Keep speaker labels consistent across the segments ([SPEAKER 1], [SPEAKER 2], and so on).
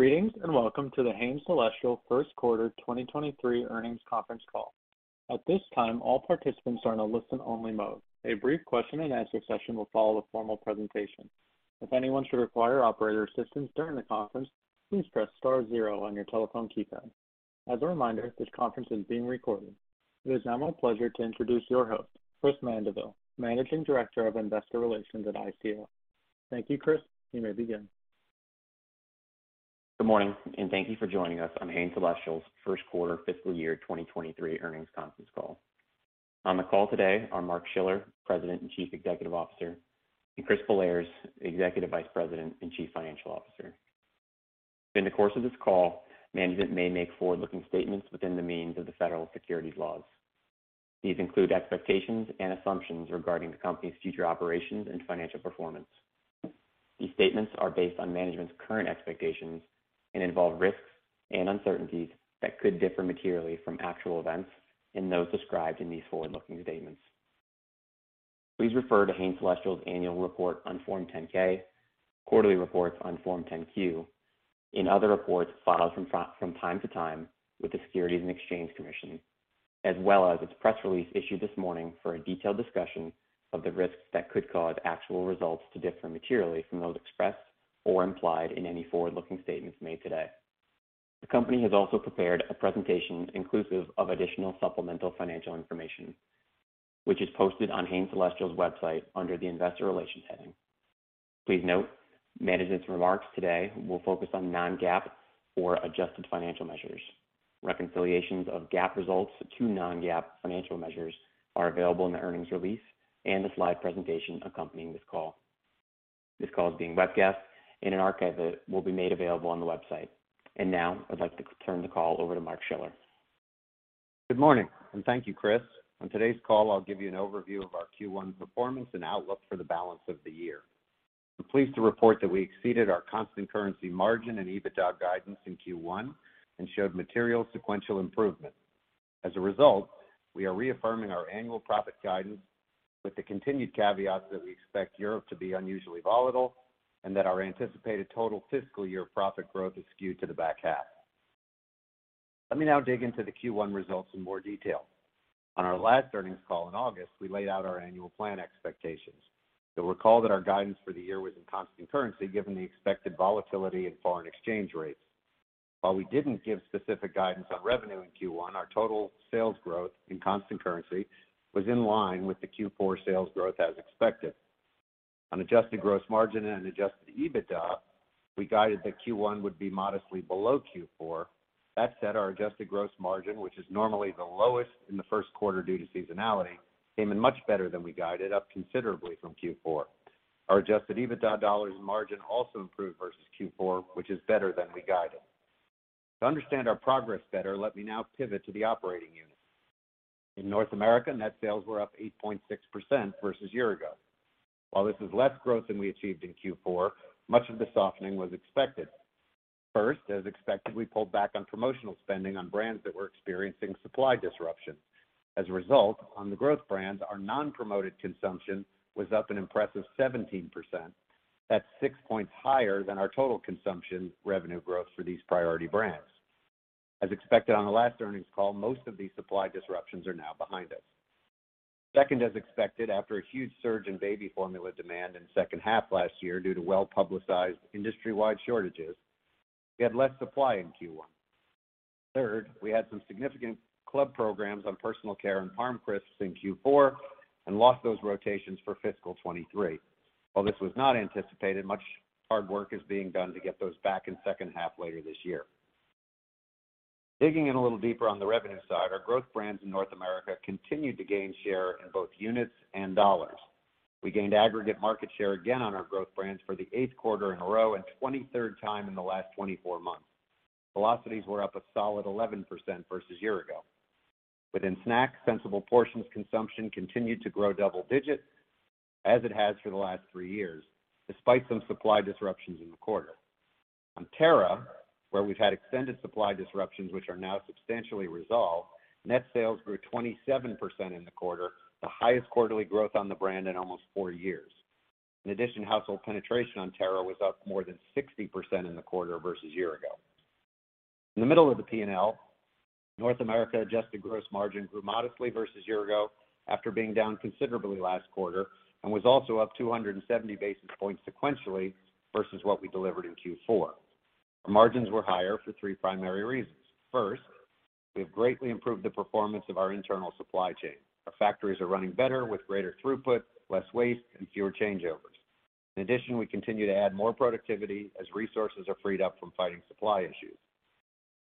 [SPEAKER 1] Greetings, welcome to The Hain Celestial first quarter 2023 earnings conference call. At this time, all participants are in a listen-only mode. A brief question and answer session will follow the formal presentation. If anyone should require operator assistance during the conference, please press star zero on your telephone keypad. As a reminder, this conference is being recorded. It is now my pleasure to introduce your host, Chris Mandeville, Managing Director of Investor Relations at ICR. Thank you, Chris. You may begin.
[SPEAKER 2] Good morning, thank you for joining us on Hain Celestial's first quarter fiscal year 2023 earnings conference call. On the call today are Mark Schiller, President and Chief Executive Officer, and Chris Bellairs, Executive Vice President and Chief Financial Officer. During the course of this call, management may make forward-looking statements within the meaning of the Federal Securities Laws. These include expectations and assumptions regarding the company's future operations and financial performance. These statements are based on management's current expectations and involve risks and uncertainties that could differ materially from actual events and those described in these forward-looking statements. Please refer to Hain Celestial's annual report on Form 10-K, quarterly reports on Form 10-Q, and other reports filed from time to time with the Securities and Exchange Commission, as well as its press release issued this morning for a detailed discussion of the risks that could cause actual results to differ materially from those expressed or implied in any forward-looking statements made today. The company has also prepared a presentation inclusive of additional supplemental financial information, which is posted on Hain Celestial's website under the investor relations heading. Please note, management's remarks today will focus on non-GAAP or adjusted financial measures. Reconciliations of GAAP results to non-GAAP financial measures are available in the earnings release and the slide presentation accompanying this call. This call is being webcast and an archive of it will be made available on the website. Now, I'd like to turn the call over to Mark Schiller.
[SPEAKER 3] Good morning, and thank you, Chris. On today's call, I'll give you an overview of our Q1 performance and outlook for the balance of the year. I'm pleased to report that we exceeded our constant currency margin and EBITDA guidance in Q1 and showed material sequential improvement. As a result, we are reaffirming our annual profit guidance with the continued caveat that we expect Europe to be unusually volatile and that our anticipated total fiscal year profit growth is skewed to the back half. Let me now dig into the Q1 results in more detail. On our last earnings call in August, we laid out our annual plan expectations. You'll recall that our guidance for the year was in constant currency, given the expected volatility in foreign exchange rates. While we didn't give specific guidance on revenue in Q1, our total sales growth in constant currency was in line with the Q4 sales growth as expected. On adjusted gross margin and adjusted EBITDA, we guided that Q1 would be modestly below Q4. That said, our adjusted gross margin, which is normally the lowest in the first quarter due to seasonality, came in much better than we guided, up considerably from Q4. Our adjusted EBITDA dollars margin also improved versus Q4, which is better than we guided. To understand our progress better, let me now pivot to the operating units. In North America, net sales were up 8.6% versus year ago. While this is less growth than we achieved in Q4, much of the softening was expected. First, as expected, we pulled back on promotional spending on brands that were experiencing supply disruption. As a result, on the growth brands, our non-promoted consumption was up an impressive 17%. That's six points higher than our total consumption revenue growth for these priority brands. As expected on the last earnings call, most of these supply disruptions are now behind us. Second, as expected, after a huge surge in baby formula demand in second half last year due to well-publicized industry-wide shortages, we had less supply in Q1. Third, we had some significant club programs on personal care and ParmCrisps in Q4 and lost those rotations for fiscal 2023. While this was not anticipated, much hard work is being done to get those back in second half later this year. Digging in a little deeper on the revenue side, our growth brands in North America continued to gain share in both units and dollars. We gained aggregate market share again on our growth brands for the eighth quarter in a row and 23rd time in the last 24 months. Velocities were up a solid 11% versus year ago. Within snacks, Sensible Portions consumption continued to grow double digits as it has for the last three years, despite some supply disruptions in the quarter. On TERRA, where we've had extended supply disruptions, which are now substantially resolved, net sales grew 27% in the quarter, the highest quarterly growth on the brand in almost four years. In addition, household penetration on TERRA was up more than 60% in the quarter versus year ago. In the middle of the P&L, North America adjusted gross margin grew modestly versus year ago after being down considerably last quarter and was also up 270 basis points sequentially versus what we delivered in Q4. Our margins were higher for three primary reasons. First, we have greatly improved the performance of our internal supply chain. Our factories are running better with greater throughput, less waste, and fewer changeovers. In addition, we continue to add more productivity as resources are freed up from fighting supply issues.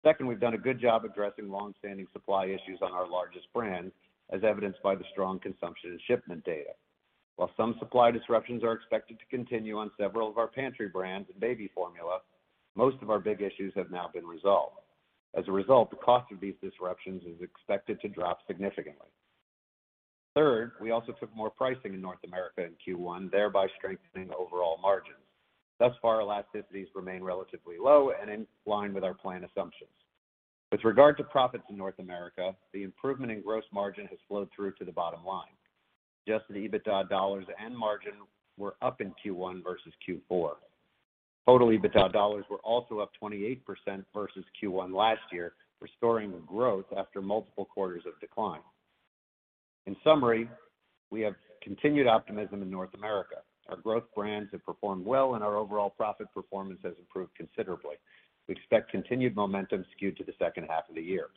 [SPEAKER 3] Second, we've done a good job addressing long-standing supply issues on our largest brands, as evidenced by the strong consumption and shipment data. While some supply disruptions are expected to continue on several of our pantry brands and baby formula, most of our big issues have now been resolved. As a result, the cost of these disruptions is expected to drop significantly. Third, we also took more pricing in North America in Q1, thereby strengthening overall margins. Thus far, elasticities remain relatively low and in line with our plan assumptions. With regard to profits in North America, the improvement in gross margin has flowed through to the bottom line. Adjusted EBITDA dollars and margin were up in Q1 versus Q4. Total EBITDA dollars were also up 28% versus Q1 last year, restoring the growth after multiple quarters of decline. In summary, we have continued optimism in North America. Our growth brands have performed well, and our overall profit performance has improved considerably. We expect continued momentum skewed to the second half of the year.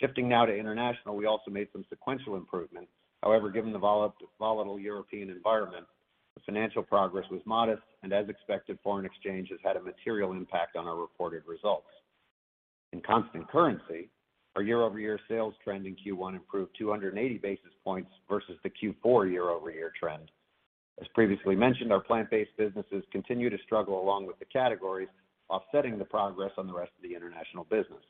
[SPEAKER 3] Shifting now to international, we also made some sequential improvements. However, given the volatile European environment, the financial progress was modest, and as expected, foreign exchange has had a material impact on our reported results. In constant currency, our year-over-year sales trend in Q1 improved 280 basis points versus the Q4 year-over-year trend. As previously mentioned, our plant-based businesses continue to struggle along with the categories, offsetting the progress on the rest of the international business.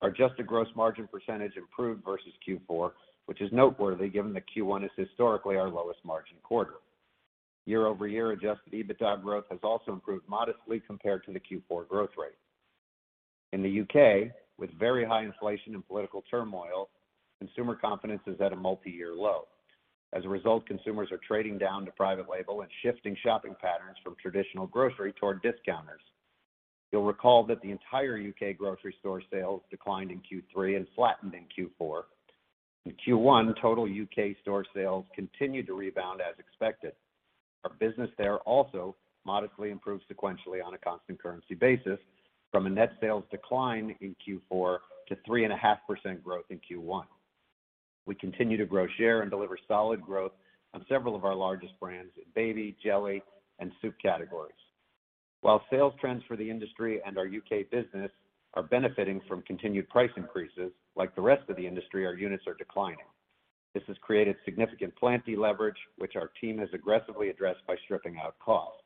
[SPEAKER 3] Our adjusted gross margin percentage improved versus Q4, which is noteworthy given that Q1 is historically our lowest margin quarter. Year-over-year adjusted EBITDA growth has also improved modestly compared to the Q4 growth rate. In the U.K., with very high inflation and political turmoil, consumer confidence is at a multiyear low. As a result, consumers are trading down to private label and shifting shopping patterns from traditional grocery toward discounters. You'll recall that the entire U.K. grocery store sales declined in Q3 and flattened in Q4. In Q1, total U.K. store sales continued to rebound as expected. Our business there also modestly improved sequentially on a constant currency basis from a net sales decline in Q4 to 3.5% growth in Q1. We continue to grow share and deliver solid growth on several of our largest brands in baby, jelly, and soup categories. While sales trends for the industry and our U.K. business are benefiting from continued price increases, like the rest of the industry, our units are declining. This has created significant plant de-leverage, which our team has aggressively addressed by stripping out costs.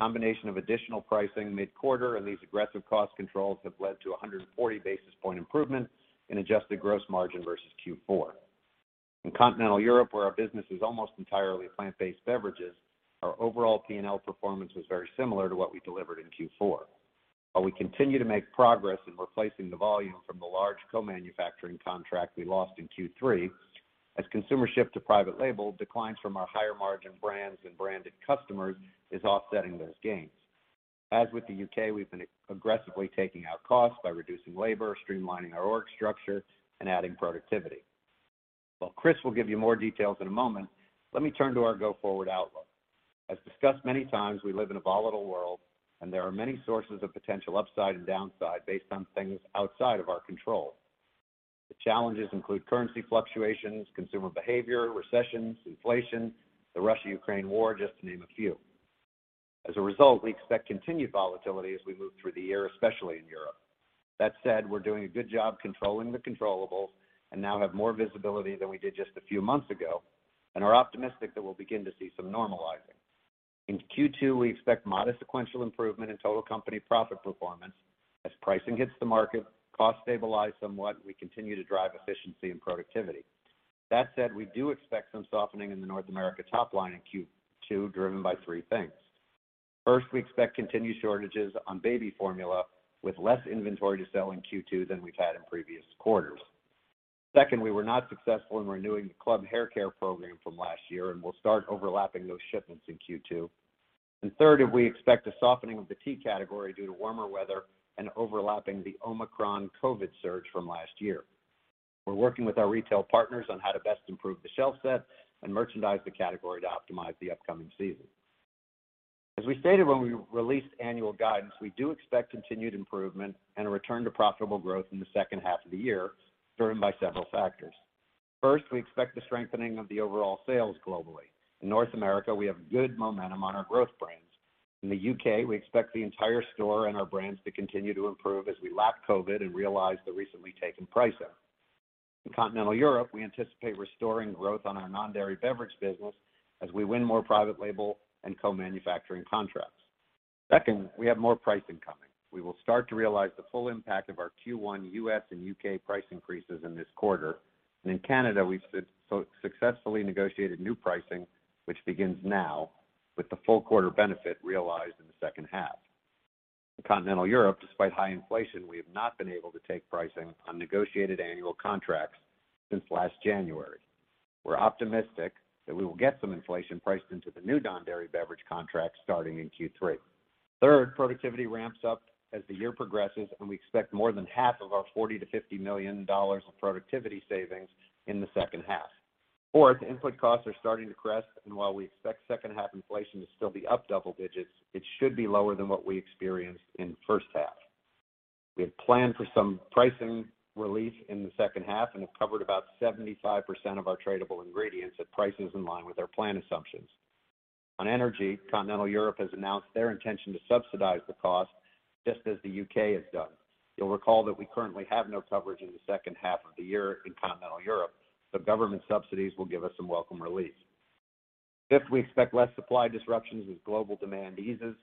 [SPEAKER 3] Combination of additional pricing mid-quarter and these aggressive cost controls have led to 140 basis point improvement in adjusted gross margin versus Q4. In Continental Europe, where our business is almost entirely plant-based beverages, our overall P&L performance was very similar to what we delivered in Q4. While we continue to make progress in replacing the volume from the large co-manufacturing contract we lost in Q3, as consumer shift to private label, declines from our higher margin brands and branded customers is offsetting those gains. As with the U.K., we've been aggressively taking out costs by reducing labor, streamlining our org structure, and adding productivity. While Chris will give you more details in a moment, let me turn to our go-forward outlook. As discussed many times, we live in a volatile world, and there are many sources of potential upside and downside based on things outside of our control. The challenges include currency fluctuations, consumer behavior, recessions, inflation, the Russia-Ukraine war, just to name a few. As a result, we expect continued volatility as we move through the year, especially in Europe. That said, we're doing a good job controlling the controllables and now have more visibility than we did just a few months ago and are optimistic that we'll begin to see some normalizing. In Q2, we expect modest sequential improvement in total company profit performance as pricing hits the market, costs stabilize somewhat, and we continue to drive efficiency and productivity. That said, we do expect some softening in the North America top line in Q2, driven by three things. First, we expect continued shortages on baby formula, with less inventory to sell in Q2 than we've had in previous quarters. Second, we were not successful in renewing the club haircare program from last year, and we'll start overlapping those shipments in Q2. Third, we expect a softening of the tea category due to warmer weather and overlapping the Omicron COVID surge from last year. We're working with our retail partners on how to best improve the shelf set and merchandise the category to optimize the upcoming season. As we stated when we released annual guidance, we do expect continued improvement and a return to profitable growth in the second half of the year, driven by several factors. First, we expect the strengthening of the overall sales globally. In North America, we have good momentum on our growth brands. In the U.K., we expect the entire store and our brands to continue to improve as we lap COVID and realize the recently taken price increase. In Continental Europe, we anticipate restoring growth on our non-dairy beverage business as we win more private label and co-manufacturing contracts. Second, we have more pricing coming. We will start to realize the full impact of our Q1 U.S. and U.K. price increases in this quarter. In Canada, we've successfully negotiated new pricing, which begins now with the full quarter benefit realized in the second half. In Continental Europe, despite high inflation, we have not been able to take pricing on negotiated annual contracts since last January. We're optimistic that we will get some inflation priced into the new non-dairy beverage contracts starting in Q3. Third, productivity ramps up as the year progresses, and we expect more than half of our $40 million-$50 million of productivity savings in the second half. Fourth, input costs are starting to crest, and while we expect second half inflation to still be up double digits, it should be lower than what we experienced in the first half. We have planned for some pricing relief in the second half and have covered about 75% of our tradable ingredients at prices in line with our plan assumptions. On energy, Continental Europe has announced their intention to subsidize the cost just as the U.K. has done. You'll recall that we currently have no coverage in the second half of the year in Continental Europe, government subsidies will give us some welcome relief. Fifth, we expect less supply disruptions as global demand eases.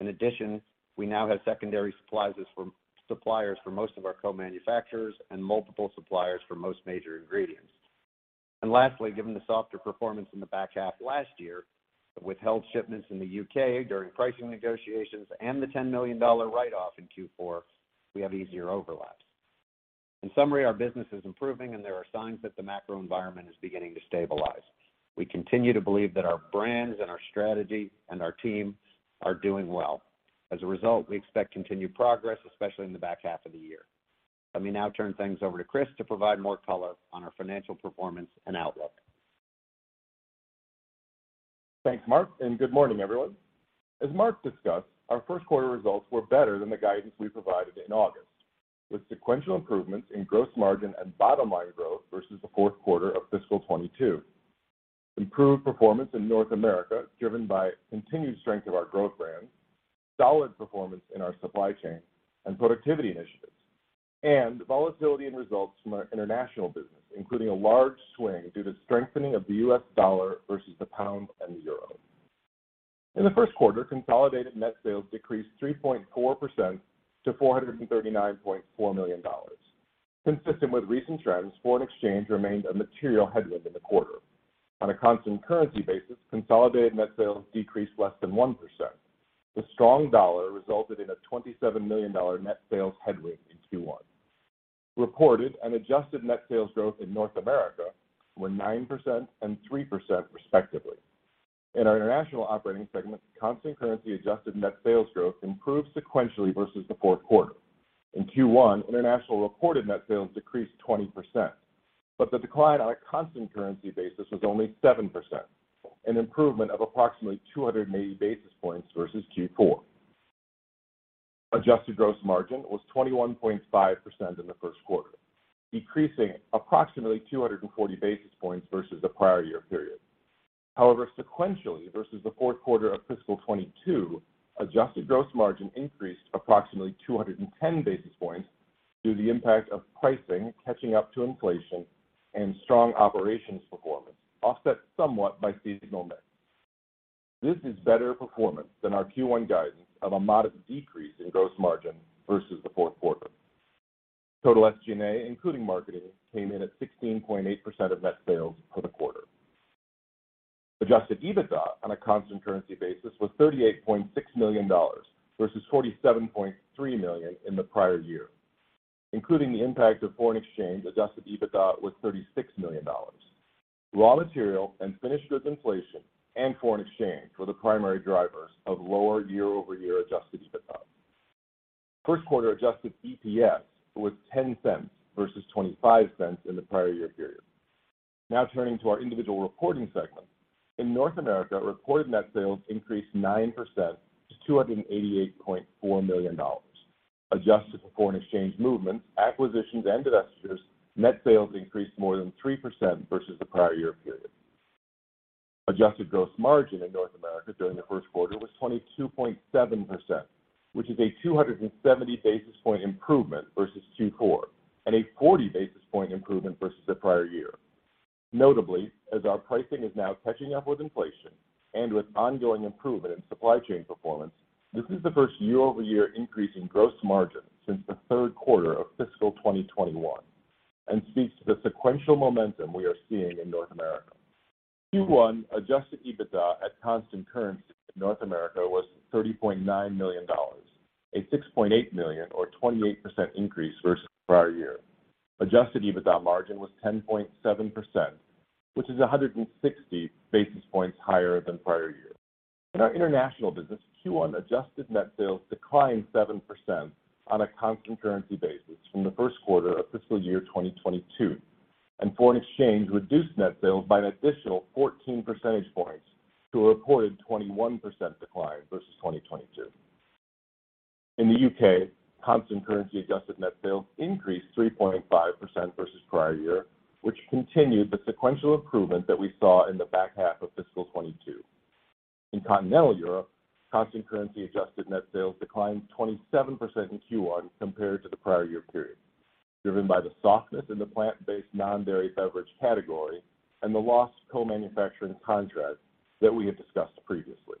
[SPEAKER 3] In addition, we now have secondary suppliers for most of our co-manufacturers and multiple suppliers for most major ingredients. Lastly, given the softer performance in the back half last year, withheld shipments in the U.K. during pricing negotiations and the $10 million write-off in Q4, we have easier overlaps. In summary, our business is improving, and there are signs that the macro environment is beginning to stabilize. We continue to believe that our brands and our strategy and our team are doing well. As a result, we expect continued progress, especially in the back half of the year. Let me now turn things over to Chris to provide more color on our financial performance and outlook.
[SPEAKER 4] Thanks, Mark, and good morning, everyone. As Mark discussed, our first quarter results were better than the guidance we provided in August, with sequential improvements in gross margin and bottom line growth versus the fourth quarter of FY 2022. Improved performance in North America, driven by continued strength of our growth brands, solid performance in our supply chain, and productivity initiatives, and volatility in results from our international business, including a large swing due to strengthening of the U.S. dollar versus the pound and the euro. In the first quarter, consolidated net sales decreased 3.4% to $439.4 million. Consistent with recent trends, foreign exchange remained a material headwind in the quarter. On a constant currency basis, consolidated net sales decreased less than 1%. The strong dollar resulted in a $27 million net sales headwind in Q1. Reported and adjusted net sales growth in North America were 9% and 3% respectively. In our international operating segment, constant currency adjusted net sales growth improved sequentially versus the fourth quarter. In Q1, international reported net sales decreased 20%. The decline on a constant currency basis was only 7%, an improvement of approximately 280 basis points versus Q4. Adjusted gross margin was 21.5% in the first quarter, decreasing approximately 240 basis points versus the prior year period. However, sequentially versus the fourth quarter of FY 2022, adjusted gross margin increased approximately 210 basis points due to the impact of pricing catching up to inflation and strong operations performance, offset somewhat by seasonal mix. This is better performance than our Q1 guidance of a modest decrease in gross margin versus the fourth quarter. Total SG&A, including marketing, came in at 16.8% of net sales for the quarter. Adjusted EBITDA on a constant currency basis was $38.6 million, versus $47.3 million in the prior year. Including the impact of foreign exchange, adjusted EBITDA was $36 million. Raw material and finished goods inflation and foreign exchange were the primary drivers of lower year-over-year adjusted EBITDA. First quarter adjusted EPS was $0.10 versus $0.25 in the prior year period. Turning to our individual reporting segments. In North America, reported net sales increased 9% to $288.4 million. Adjusted for foreign exchange movements, acquisitions, and divestitures, net sales increased more than 3% versus the prior year period. Adjusted gross margin in North America during the first quarter was 22.7%, which is a 270 basis point improvement versus Q4, and a 40 basis point improvement versus the prior year. Notably, as our pricing is now catching up with inflation and with ongoing improvement in supply chain performance, this is the first year-over-year increase in gross margin since the third quarter of fiscal 2021 and speaks to the sequential momentum we are seeing in North America. Q1 adjusted EBITDA at constant currency in North America was $30.9 million, a $6.8 million or 28% increase versus prior year. Adjusted EBITDA margin was 10.7%, which is 160 basis points higher than prior year. In our international business, Q1 adjusted net sales declined 7% on a constant currency basis from the first quarter of fiscal year 2022, and foreign exchange reduced net sales by an additional 14 percentage points to a reported 21% decline versus 2022. In the U.K., constant currency adjusted net sales increased 3.5% versus prior year, which continued the sequential improvement that we saw in the back half of fiscal 2022. In Continental Europe, constant currency adjusted net sales declined 27% in Q1 compared to the prior year period, driven by the softness in the plant-based non-dairy beverage category and the lost co-manufacturing contract that we had discussed previously.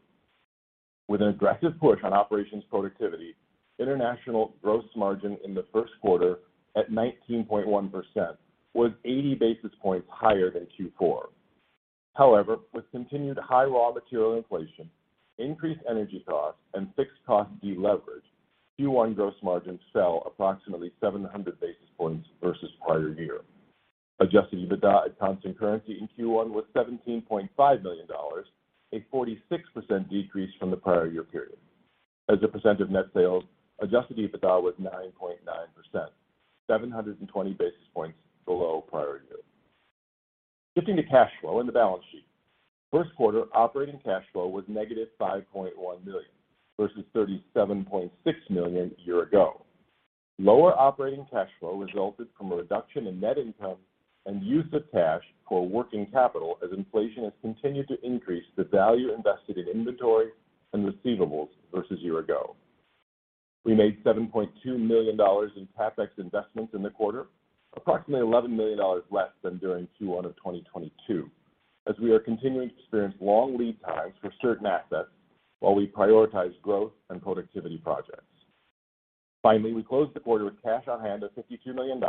[SPEAKER 4] With an aggressive push on operations productivity, international gross margin in the first quarter at 19.1% was 80 basis points higher than Q4. With continued high raw material inflation, increased energy costs, and fixed cost deleverage, Q1 gross margin fell approximately 700 basis points versus prior year. Adjusted EBITDA at constant currency in Q1 was $17.5 million, a 46% decrease from the prior year period. As a percent of net sales, adjusted EBITDA was 9.9%, 720 basis points below prior year. Shifting to cash flow and the balance sheet. First quarter operating cash flow was negative $5.1 million, versus $37.6 million a year ago. Lower operating cash flow resulted from a reduction in net income and use of cash for working capital as inflation has continued to increase the value invested in inventory and receivables versus year ago. We made $7.2 million in CapEx investments in the quarter, approximately $11 million less than during Q1 of 2022, as we are continuing to experience long lead times for certain assets while we prioritize growth and productivity projects. Finally, we closed the quarter with cash on hand of $52 million,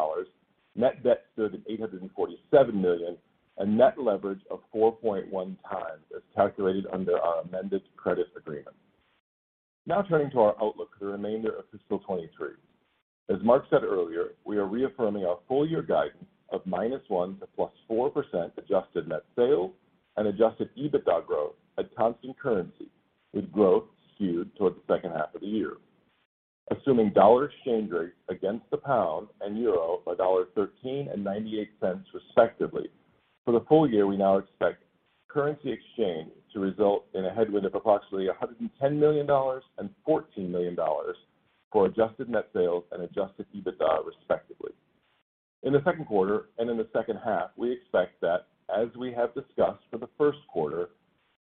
[SPEAKER 4] net debt stood at $847 million, and net leverage of 4.1 times as calculated under our amended credit agreement. Now turning to our outlook for the remainder of fiscal 2023. As Mark said earlier, we are reaffirming our full year guidance of -1% to +4% adjusted net sales and adjusted EBITDA growth at constant currency, with growth skewed towards the second half of the year. Assuming dollar exchange rates against the pound and euro of $1.13 and $0.98 respectively. For the full year, we now expect currency exchange to result in a headwind of approximately $110 million and $14 million for adjusted net sales and adjusted EBITDA respectively. In the second quarter and in the second half, we expect that, as we have discussed for the first quarter,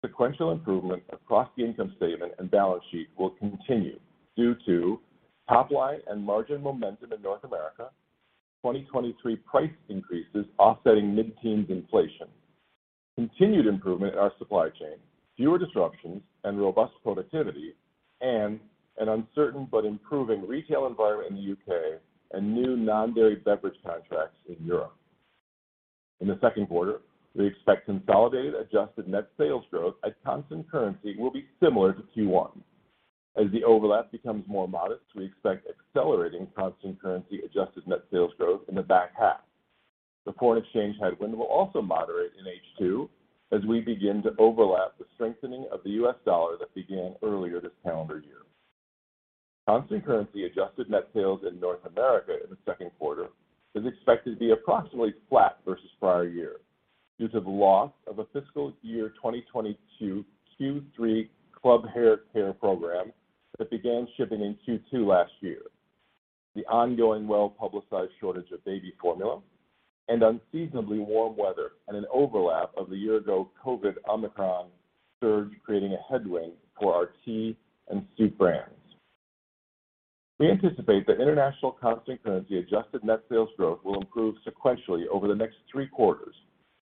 [SPEAKER 4] sequential improvement across the income statement and balance sheet will continue due to top line and margin momentum in North America, 2023 price increases offsetting mid-teens inflation, continued improvement in our supply chain, fewer disruptions and robust productivity, and an uncertain but improving retail environment in the U.K. and new non-dairy beverage contracts in Europe. In the second quarter, we expect consolidated adjusted net sales growth at constant currency will be similar to Q1. As the overlap becomes more modest, we expect accelerating constant currency adjusted net sales growth in the back half. The foreign exchange headwind will also moderate in H2 as we begin to overlap the strengthening of the U.S. dollar that began earlier this calendar year. Constant currency adjusted net sales in North America in the second quarter is expected to be approximately flat versus prior year due to the loss of a fiscal year 2022 Q3 club haircare program that began shipping in Q2 last year, the ongoing well-publicized shortage of baby formula, and unseasonably warm weather and an overlap of the year-ago COVID Omicron surge creating a headwind for our tea and soup brands. We anticipate that international constant currency adjusted net sales growth will improve sequentially over the next three quarters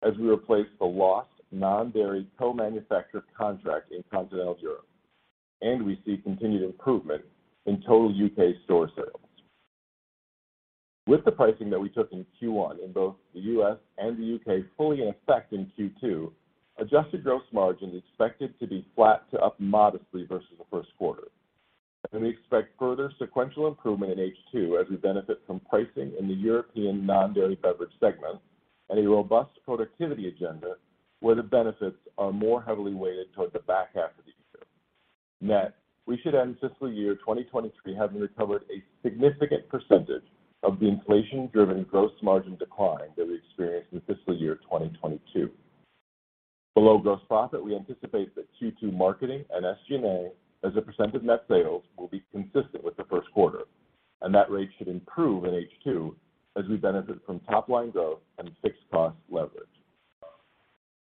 [SPEAKER 4] as we replace the lost non-dairy co-manufactured contract in continental Europe and we see continued improvement in total U.K. store sales. With the pricing that we took in Q1 in both the U.S. and the U.K. fully in effect in Q2, adjusted gross margin is expected to be flat to up modestly versus the first quarter. We expect further sequential improvement in H2 as we benefit from pricing in the European non-dairy beverage segment and a robust productivity agenda where the benefits are more heavily weighted towards the back half of the year. Net, we should end fiscal year 2023 having recovered a significant percentage of the inflation-driven gross margin decline that we experienced in fiscal year 2022. Below gross profit, we anticipate that Q2 marketing and SG&A as a % of net sales will be consistent with the first quarter, That rate should improve in H2 as we benefit from top-line growth and fixed cost leverage.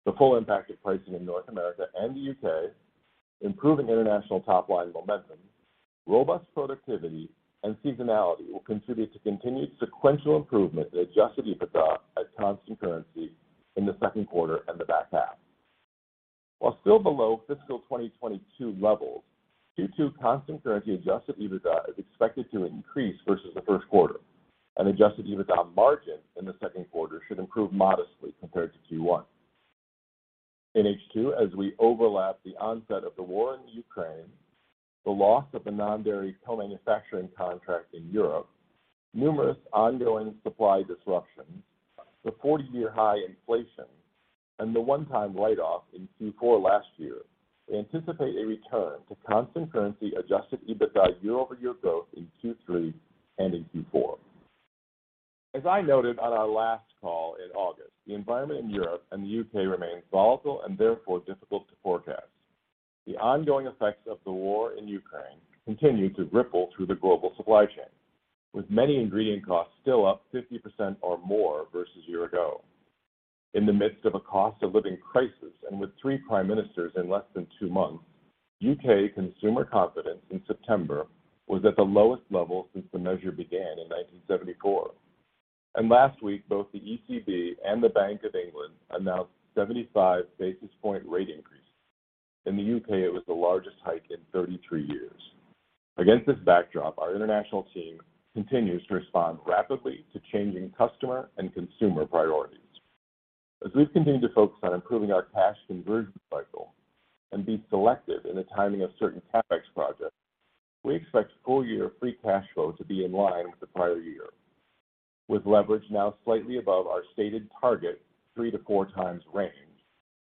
[SPEAKER 4] The full impact of pricing in North America and the U.K., improving international top line momentum, robust productivity, and seasonality will contribute to continued sequential improvement in adjusted EBITDA at constant currency in the second quarter and the back half. While still below fiscal 2022 levels, Q2 constant currency adjusted EBITDA is expected to increase versus the first quarter, and adjusted EBITDA margin in the second quarter should improve modestly compared to Q1. In H2, as we overlap the onset of the war in Ukraine, the loss of a non-dairy co-manufacturing contract in Europe, numerous ongoing supply disruptions, the 40-year high inflation, and the one-time write-off in Q4 last year, we anticipate a return to constant currency adjusted EBITDA year-over-year growth in Q3 and in Q4. As I noted on our last call in August, the environment in Europe and the U.K. remains volatile and therefore difficult to forecast. The ongoing effects of the war in Ukraine continue to ripple through the global supply chain, with many ingredient costs still up 50% or more versus a year ago. In the midst of a cost of living crisis and with three prime ministers in less than two months, U.K. consumer confidence in September was at the lowest level since the measure began in 1974. Last week, both the ECB and the Bank of England announced a 75-basis-point rate increase. In the U.K., it was the largest hike in 33 years. Against this backdrop, our international team continues to respond rapidly to changing customer and consumer priorities. As we've continued to focus on improving our cash conversion cycle and be selective in the timing of certain CapEx projects, we expect full-year free cash flow to be in line with the prior year. With leverage now slightly above our stated target three to four times range,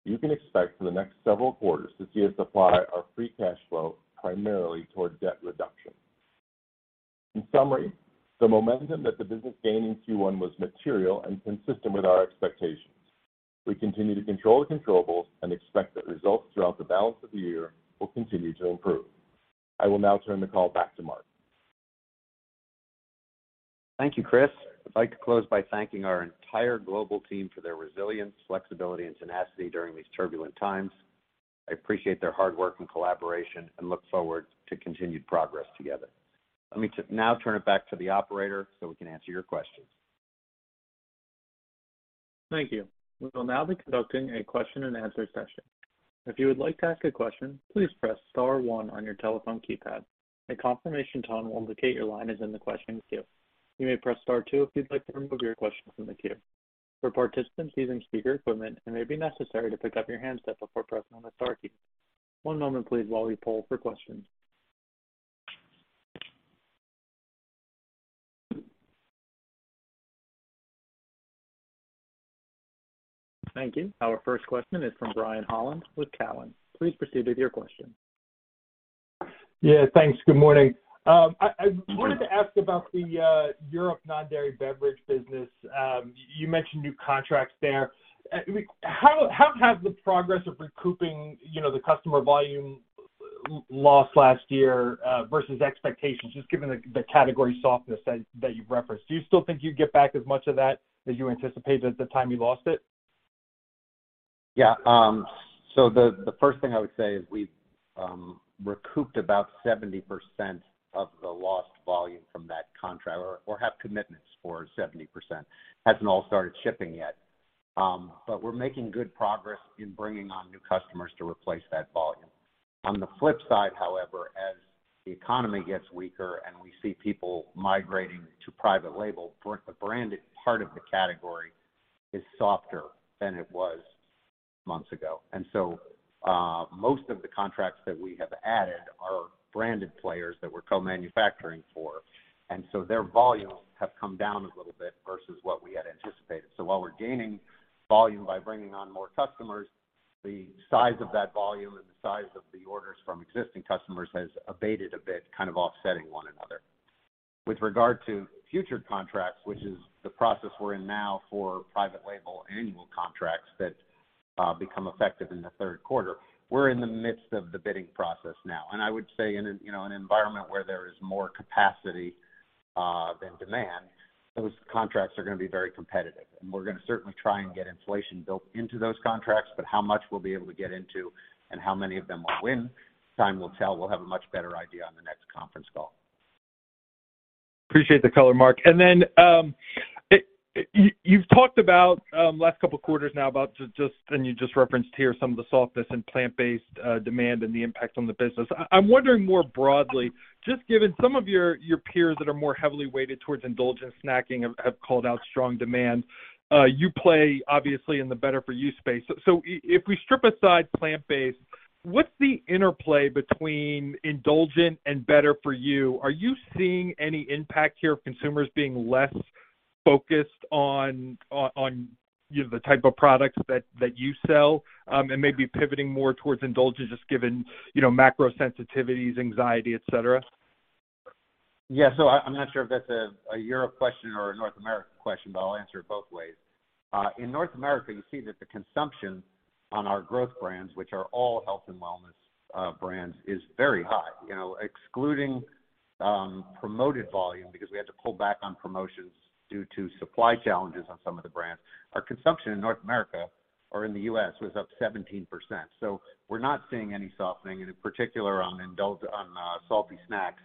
[SPEAKER 4] you can expect for the next several quarters to see us deploy our free cash flow primarily toward debt reduction. In summary, the momentum that the business gained in Q1 was material and consistent with our expectations. We continue to control the controllables and expect that results throughout the balance of the year will continue to improve. I will now turn the call back to Mark.
[SPEAKER 3] Thank you, Chris. I'd like to close by thanking our entire global team for their resilience, flexibility, and tenacity during these turbulent times. I appreciate their hard work and collaboration and look forward to continued progress together. Let me now turn it back to the operator so we can answer your questions.
[SPEAKER 1] Thank you. We will now be conducting a question and answer session. If you would like to ask a question, please press star one on your telephone keypad. A confirmation tone will indicate your line is in the questions queue. You may press star two if you'd like to remove your question from the queue. For participants using speaker equipment, it may be necessary to pick up your handset before pressing the star key. One moment please while we poll for questions. Thank you. Our first question is from Brian Holland with Cowen. Please proceed with your question.
[SPEAKER 5] Yeah, thanks. Good morning. I wanted to ask about the Europe non-dairy beverage business. You mentioned new contracts there. How has the progress of recouping the customer volume loss last year, versus expectations, just given the category softness that you've referenced? Do you still think you'd get back as much of that as you anticipated at the time you lost it?
[SPEAKER 3] Yeah. The first thing I would say is we've recouped about 70% of the lost volume from that contract, or have commitments for 70%. Hasn't all started shipping yet. We're making good progress in bringing on new customers to replace that volume. On the flip side, however, as the economy gets weaker and we see people migrating to private label, the branded part of the category is softer than it was months ago. Most of the contracts that we have added are branded players that we're co-manufacturing for. Their volumes have come down a little bit versus what we had anticipated. While we're gaining volume by bringing on more customers, the size of that volume and the size of the orders from existing customers has abated a bit, kind of offsetting one another. With regard to future contracts, which is the process we're in now for private label annual contracts that become effective in the third quarter, we're in the midst of the bidding process now. I would say in an environment where there is more capacity, than demand, those contracts are gonna be very competitive. We're gonna certainly try and get inflation built into those contracts, but how much we'll be able to get into and how many of them we'll win, time will tell. We'll have a much better idea on the next conference call.
[SPEAKER 5] Appreciate the color, Mark. You've talked about, last couple of quarters now about just, and you just referenced here some of the softness in plant-based demand and the impact on the business. I'm wondering more broadly, just given some of your peers that are more heavily weighted towards indulgent snacking have called out strong demand. You play obviously in the better-for-you space. If we strip aside plant-based, what's the interplay between indulgent and better-for-you? Are you seeing any impact here of consumers being less focused on the type of products that you sell, and maybe pivoting more towards indulgence, just given macro sensitivities, anxiety, et cetera?
[SPEAKER 3] Yeah. I'm not sure if that's a Europe question or a North America question, but I'll answer it both ways. In North America, you see that the consumption on our growth brands, which are all health and wellness brands, is very high. Excluding promoted volume, because we had to pull back on promotions due to supply challenges on some of the brands, our consumption in North America or in the U.S. was up 17%. We're not seeing any softening, and in particular on salty snacks.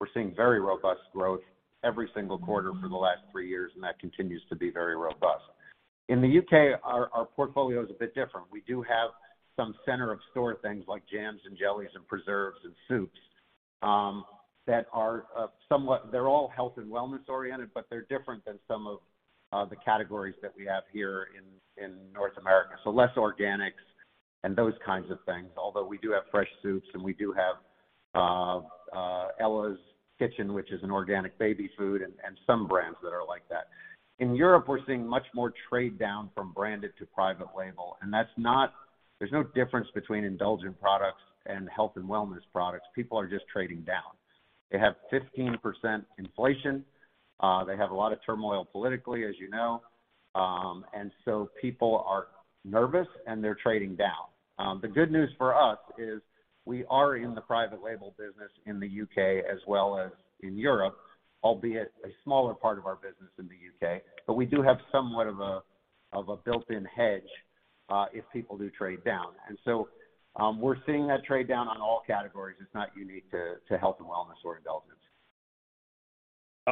[SPEAKER 3] We're seeing very robust growth every single quarter for the last three years, and that continues to be very robust. In the U.K., our portfolio is a bit different. We do have some center-of-store things like jams and jellies and preserves and soups, that are all health and wellness oriented, but they're different than some of the categories that we have here in North America. Less organics and those kinds of things. Although we do have fresh soups, and we do have Ella's Kitchen, which is an organic baby food, and some brands that are like that. In Europe, we're seeing much more trade down from branded to private label, and there's no difference between indulgent products and health and wellness products. People are just trading down. They have 15% inflation. They have a lot of turmoil politically, as you know. People are nervous, and they're trading down. The good news for us is we are in the private label business in the U.K. as well as in Europe, albeit a smaller part of our business in the U.K. We do have somewhat of a built-in hedge, if people do trade down. We're seeing that trade down on all categories. It's not unique to health and wellness or indulgence.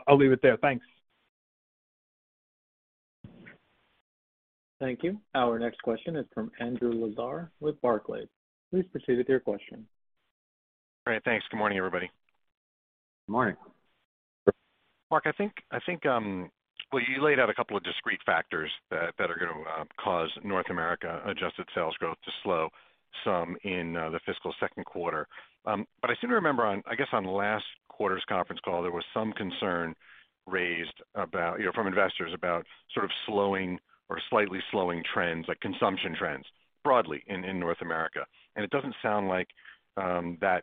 [SPEAKER 5] I'll leave it there. Thanks.
[SPEAKER 1] Thank you. Our next question is from Andrew Lazar with Barclays. Please proceed with your question.
[SPEAKER 6] Great. Thanks. Good morning, everybody.
[SPEAKER 3] Good morning.
[SPEAKER 6] Mark, I think, well, you laid out a couple of discrete factors that are gonna cause North America adjusted sales growth to slow some in the fiscal second quarter. I seem to remember on, I guess, on last quarter's conference call, there was some concern raised from investors about sort of slowing or slightly slowing trends, like consumption trends broadly in North America. It doesn't sound like that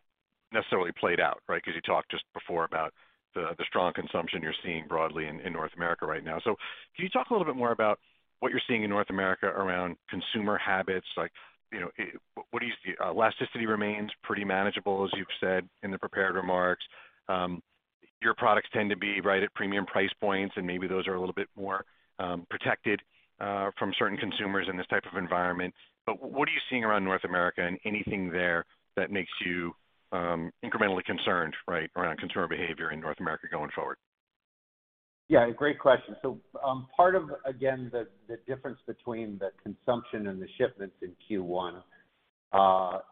[SPEAKER 6] necessarily played out, right? Because you talked just before about the strong consumption you're seeing broadly in North America right now. Can you talk a little bit more about what you're seeing in North America around consumer habits? Like, what do you see? Elasticity remains pretty manageable, as you've said in the prepared remarks. Your products tend to be right at premium price points, and maybe those are a little bit more protected from certain consumers in this type of environment. What are you seeing around North America and anything there that makes you incrementally concerned, right, around consumer behavior in North America going forward?
[SPEAKER 3] Yeah, great question. Part of, again, the difference between the consumption and the shipments in Q1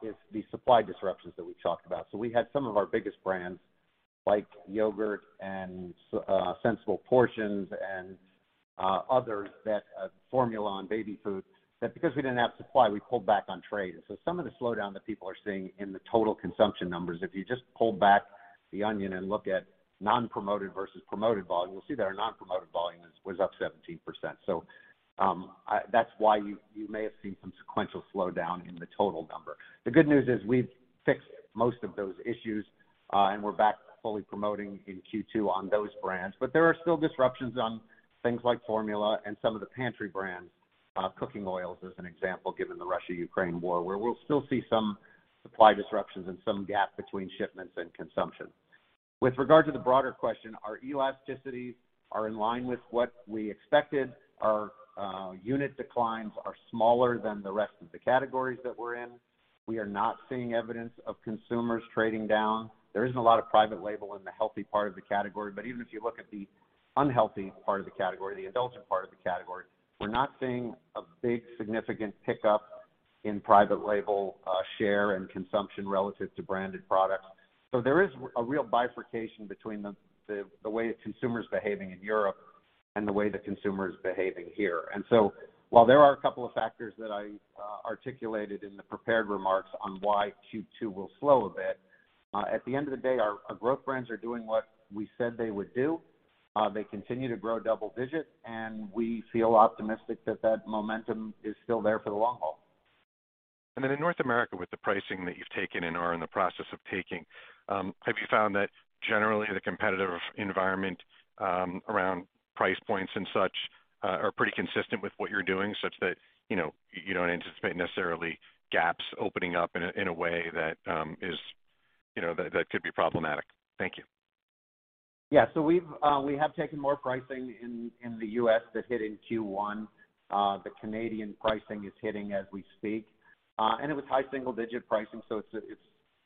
[SPEAKER 3] is the supply disruptions that we talked about. We had some of our biggest brands, like yogurt and Sensible Portions and others, formula and baby food, that because we didn't have supply, we pulled back on trade. Some of the slowdown that people are seeing in the total consumption numbers, if you just pull back the onion and look at non-promoted versus promoted volume, you'll see that our non-promoted volume was up 17%. That's why you may have seen some sequential slowdown in the total number. The good news is we've fixed most of those issues, and we're back fully promoting in Q2 on those brands. There are still disruptions on things like formula and some of the pantry brands, cooking oils as an example, given the Russia-Ukraine war, where we'll still see some supply disruptions and some gap between shipments and consumption. With regard to the broader question, our elasticities are in line with what we expected. Our unit declines are smaller than the rest of the categories that we're in. We are not seeing evidence of consumers trading down. There isn't a lot of private label in the healthy part of the category, but even if you look at the unhealthy part of the category, the indulgent part of the category, we're not seeing a big, significant pickup in private label share and consumption relative to branded products. There is a real bifurcation between the way the consumer's behaving in Europe and the way the consumer is behaving here. While there are a couple of factors that I articulated in the prepared remarks on why Q2 will slow a bit, at the end of the day, our growth brands are doing what we said they would do. They continue to grow double-digit, and we feel optimistic that that momentum is still there for the long haul.
[SPEAKER 6] In North America, with the pricing that you've taken or are in the process of taking, have you found that generally the competitive environment around price points and such are pretty consistent with what you're doing, such that you don't anticipate necessarily gaps opening up in a way that could be problematic? Thank you.
[SPEAKER 3] Yeah. We have taken more pricing in the U.S. that hit in Q1. The Canadian pricing is hitting as we speak. It was high single-digit pricing, so it's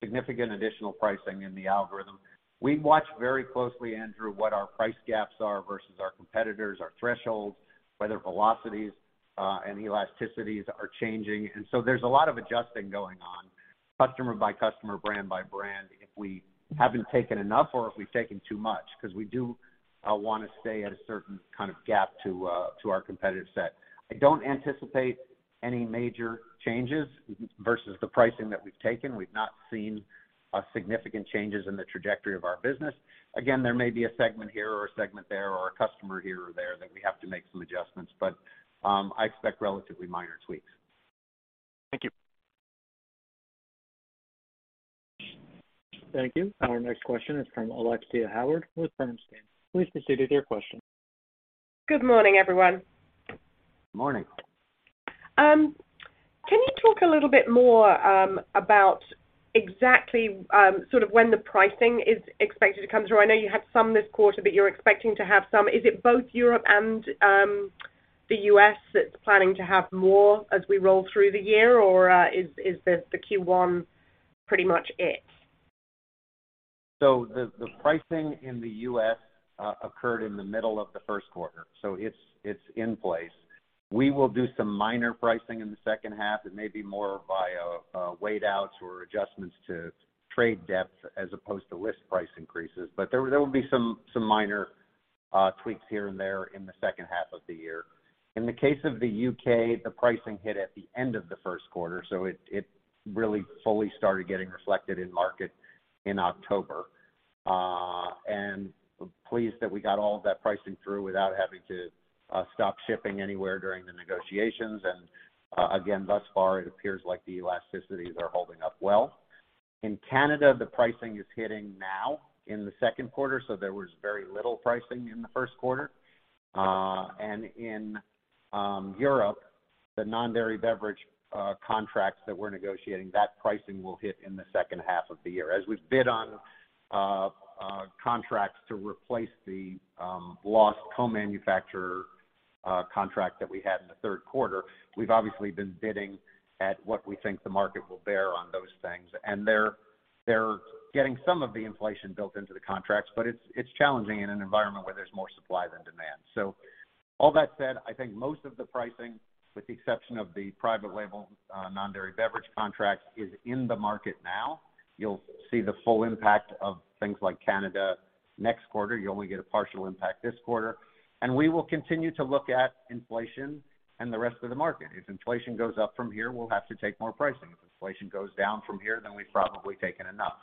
[SPEAKER 3] significant additional pricing in the algorithm. We watch very closely, Andrew, what our price gaps are versus our competitors, our thresholds, whether velocities and elasticities are changing. There's a lot of adjusting going on, customer by customer, brand by brand, if we haven't taken enough or if we've taken too much, because we do want to stay at a certain kind of gap to our competitive set. I don't anticipate any major changes versus the pricing that we've taken. We've not seen significant changes in the trajectory of our business. Again, there may be a segment here or a segment there, or a customer here or there that we have to make some adjustments, I expect relatively minor tweaks.
[SPEAKER 6] Thank you.
[SPEAKER 1] Thank you. Our next question is from Alexia Howard with Bernstein. Please proceed with your question.
[SPEAKER 7] Good morning, everyone.
[SPEAKER 3] Morning.
[SPEAKER 7] Can you talk a little bit more about exactly when the pricing is expected to come through? I know you had some this quarter, but you're expecting to have some. Is it both Europe and the U.S. that's planning to have more as we roll through the year, or is the Q1 pretty much it?
[SPEAKER 3] The pricing in the U.S. occurred in the middle of the first quarter. It's in place. We will do some minor pricing in the second half. It may be more via weight outs or adjustments to trade debts as opposed to list price increases. There will be some minor tweaks here and there in the second half of the year. In the case of the U.K., the pricing hit at the end of the first quarter. It really fully started getting reflected in market in October. Pleased that we got all of that pricing through without having to stop shipping anywhere during the negotiations. Again, thus far, it appears like the elasticities are holding up well. In Canada, the pricing is hitting now in the second quarter. There was very little pricing in the first quarter. In Europe, the non-dairy beverage contracts that we're negotiating, that pricing will hit in the second half of the year. As we bid on contracts to replace the lost co-manufacturer contract that we had in the third quarter, we've obviously been bidding at what we think the market will bear on those things. They're getting some of the inflation built into the contracts, but it's challenging in an environment where there's more supply than demand. All that said, I think most of the pricing, with the exception of the private label non-dairy beverage contract, is in the market now. You'll see the full impact of things like Canada next quarter. You only get a partial impact this quarter. We will continue to look at inflation and the rest of the market. If inflation goes up from here, we'll have to take more pricing. If inflation goes down from here, we've probably taken enough.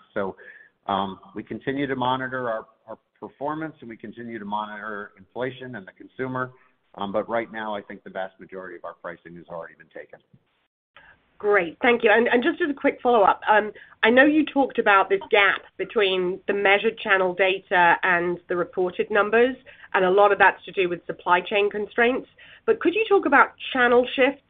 [SPEAKER 3] We continue to monitor our performance, and we continue to monitor inflation and the consumer. Right now, I think the vast majority of our pricing has already been taken.
[SPEAKER 7] Great. Thank you. Just as a quick follow-up, I know you talked about this gap between the measured channel data and the reported numbers, and a lot of that's to do with supply chain constraints, but could you talk about channel shifts?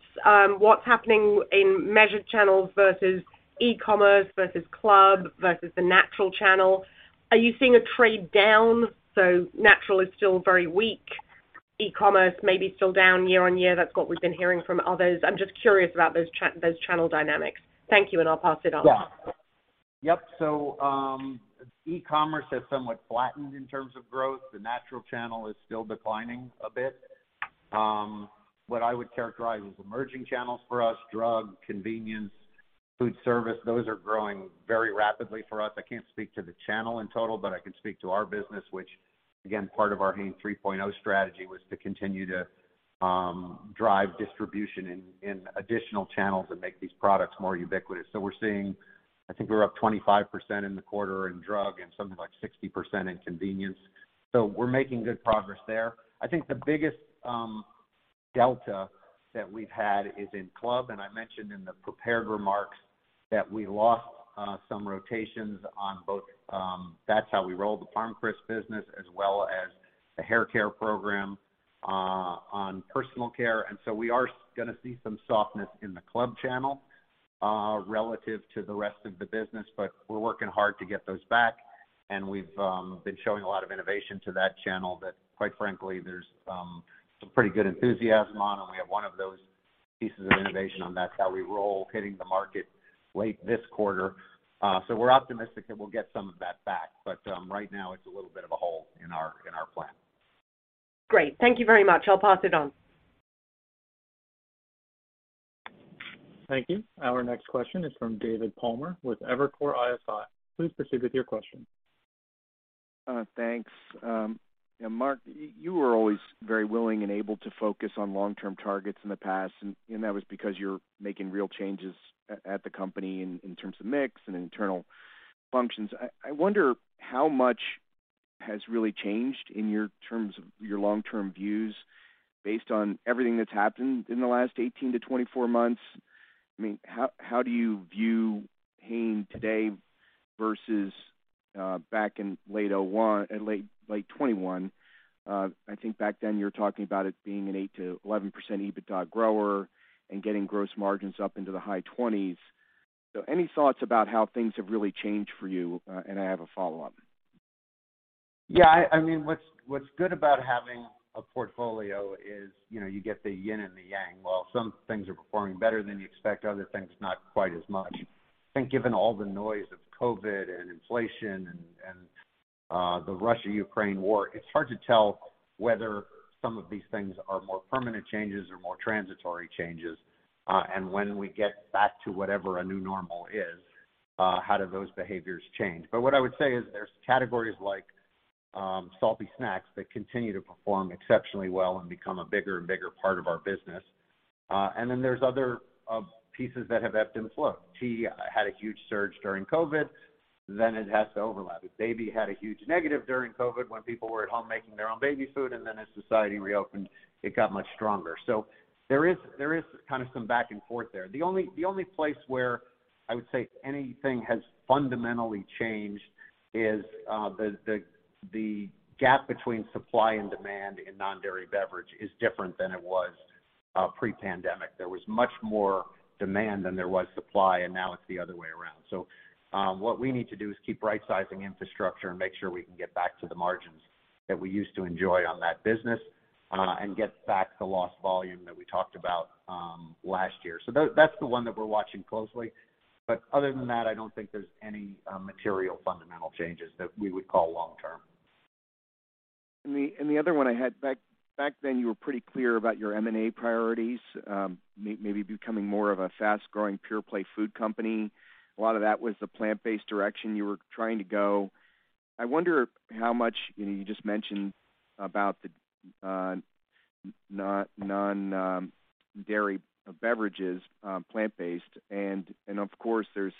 [SPEAKER 7] What's happening in measured channels versus e-commerce versus club versus the natural channel? Are you seeing a trade down, so natural is still very weak? E-commerce may be still down year-on-year. That's what we've been hearing from others. I'm just curious about those channel dynamics. Thank you. I'll pass it on.
[SPEAKER 3] Yeah. Yep. E-commerce has somewhat flattened in terms of growth. The natural channel is still declining a bit. What I would characterize as emerging channels for us, drug, convenience, food service, those are growing very rapidly for us. I can't speak to the channel in total, but I can speak to our business, which, again, part of our Hain 3.0 strategy was to continue to drive distribution in additional channels and make these products more ubiquitous. We're seeing, I think we're up 25% in the quarter in drug and something like 60% in convenience. We're making good progress there. I think the biggest delta that we've had is in club, and I mentioned in the prepared remarks that we lost some rotations on both That's How We Roll, the ParmCrisps business, as well as the haircare program on personal care. We are going to see some softness in the club channel relative to the rest of the business, but we're working hard to get those back. We've been showing a lot of innovation to that channel that, quite frankly, there's some pretty good enthusiasm on, and we have one of those pieces of innovation on That's How We Roll hitting the market late this quarter. We're optimistic that we'll get some of that back. Right now, it's a little bit of a hole in our plan.
[SPEAKER 7] Great. Thank you very much. I'll pass it on.
[SPEAKER 1] Thank you. Our next question is from David Palmer with Evercore ISI. Please proceed with your question.
[SPEAKER 8] Thanks. Mark, you were always very willing and able to focus on long-term targets in the past. That was because you're making real changes at the company in terms of mix and internal functions. I wonder how much has really changed in your terms of your long-term views based on everything that's happened in the last 18-24 months. How do you view Hain today versus back in late 2021? I think back then you were talking about it being an 8%-11% EBITDA grower and getting gross margins up into the high 20s. Any thoughts about how things have really changed for you? I have a follow-up.
[SPEAKER 3] Yeah, what's good about having a portfolio is you get the yin and the yang. While some things are performing better than you expect, other things not quite as much. I think given all the noise of COVID and inflation and the Russia-Ukraine war, it's hard to tell whether some of these things are more permanent changes or more transitory changes. When we get back to whatever a new normal is, how do those behaviors change? What I would say is there's categories like salty snacks that continue to perform exceptionally well and become a bigger and bigger part of our business. There's other pieces that have ebbed and flowed. Tea had a huge surge during COVID, it has to overlap. Baby had a huge negative during COVID when people were at home making their own baby food. As society reopened, it got much stronger. There is some back and forth there. The only place where I would say anything has fundamentally changed is the gap between supply and demand in non-dairy beverage is different than it was pre-pandemic. There was much more demand than there was supply, now it's the other way around. What we need to do is keep right-sizing infrastructure and make sure we can get back to the margins that we used to enjoy on that business and get back the lost volume that we talked about last year. That's the one that we're watching closely. Other than that, I don't think there's any material fundamental changes that we would call long-term.
[SPEAKER 8] The other one I had, back then, you were pretty clear about your M&A priorities, maybe becoming more of a fast-growing, pure-play food company. A lot of that was the plant-based direction you were trying to go. I wonder how much You just mentioned about the non-dairy beverages, plant-based. Of course, there's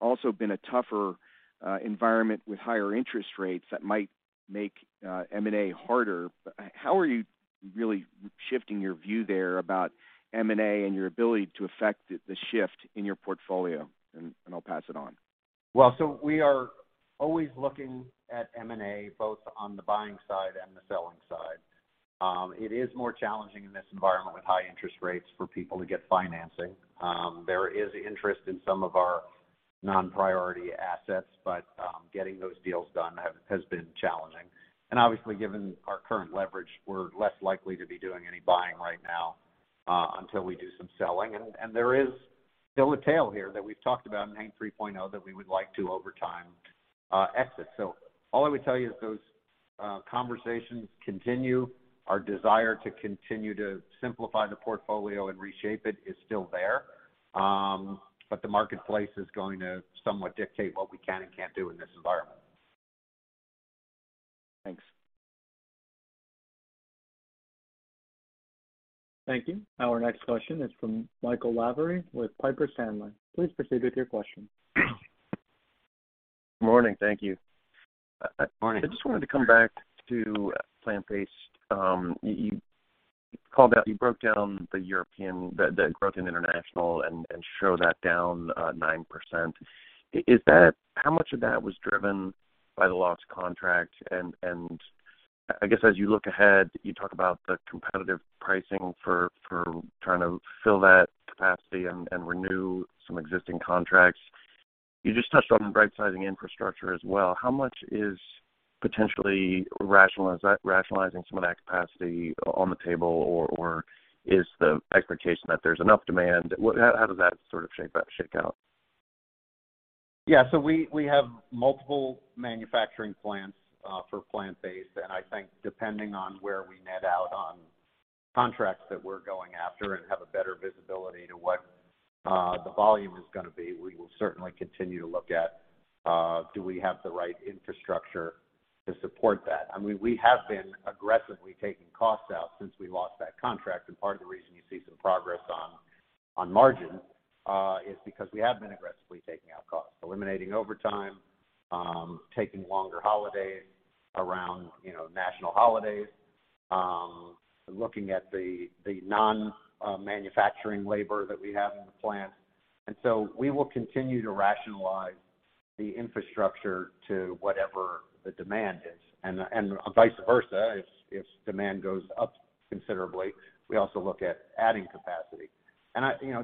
[SPEAKER 8] also been a tougher environment with higher interest rates that might make M&A harder. How are you really shifting your view there about M&A and your ability to affect the shift in your portfolio? I'll pass it on.
[SPEAKER 3] We are always looking at M&A, both on the buying side and the selling side. It is more challenging in this environment with high interest rates for people to get financing. There is interest in some of our non-priority assets, but getting those deals done has been challenging. Obviously, given our current leverage, we're less likely to be doing any buying right now until we do some selling. There is still a tail here that we've talked about in Hain 3.0 that we would like to, over time, exit. All I would tell you is those conversations continue. Our desire to continue to simplify the portfolio and reshape it is still there. The marketplace is going to somewhat dictate what we can and can't do in this environment.
[SPEAKER 8] Thanks.
[SPEAKER 1] Thank you. Our next question is from Michael Lavery with Piper Sandler. Please proceed with your question.
[SPEAKER 9] Morning. Thank you.
[SPEAKER 3] Morning.
[SPEAKER 9] I just wanted to come back to plant-based. You called out, you broke down the growth in international and show that down 9%. How much of that was driven by the lost contract? I guess as you look ahead, you talk about the competitive pricing for trying to fill that capacity and renew some existing contracts. You just touched on rightsizing infrastructure as well. How much is potentially rationalizing some of that capacity on the table, or is the expectation that there's enough demand? How does that shape out?
[SPEAKER 3] Yeah. We have multiple manufacturing plants for plant-based, and I think depending on where we net out on contracts that we are going after and have a better visibility to what the volume is going to be, we will certainly continue to look at, do we have the right infrastructure to support that? We have been aggressively taking costs out since we lost that contract, and part of the reason you see some progress on margin is because we have been aggressively taking out costs. Eliminating overtime, taking longer holidays around national holidays, looking at the non-manufacturing labor that we have in the plant. We will continue to rationalize the infrastructure to whatever the demand is. Vice versa, if demand goes up considerably, we also look at adding capacity.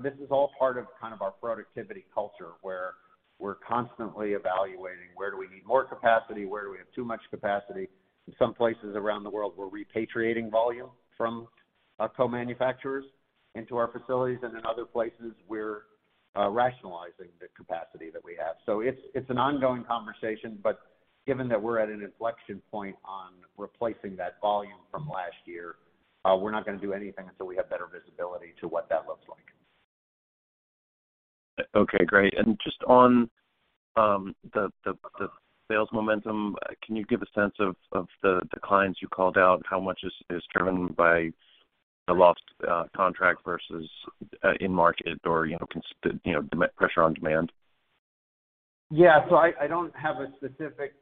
[SPEAKER 3] This is all part of our productivity culture, where we are constantly evaluating where do we need more capacity, where do we have too much capacity. In some places around the world, we are repatriating volume from our co-manufacturers into our facilities. In other places, we are rationalizing the capacity that we have. It is an ongoing conversation, but given that we are at an inflection point on replacing that volume from last year, we are not going to do anything until we have better visibility to what that looks like.
[SPEAKER 9] Okay, great. Just on the sales momentum, can you give a sense of the declines you called out? How much is driven by the lost contract versus in market or pressure on demand?
[SPEAKER 3] Yeah. I do not have a specific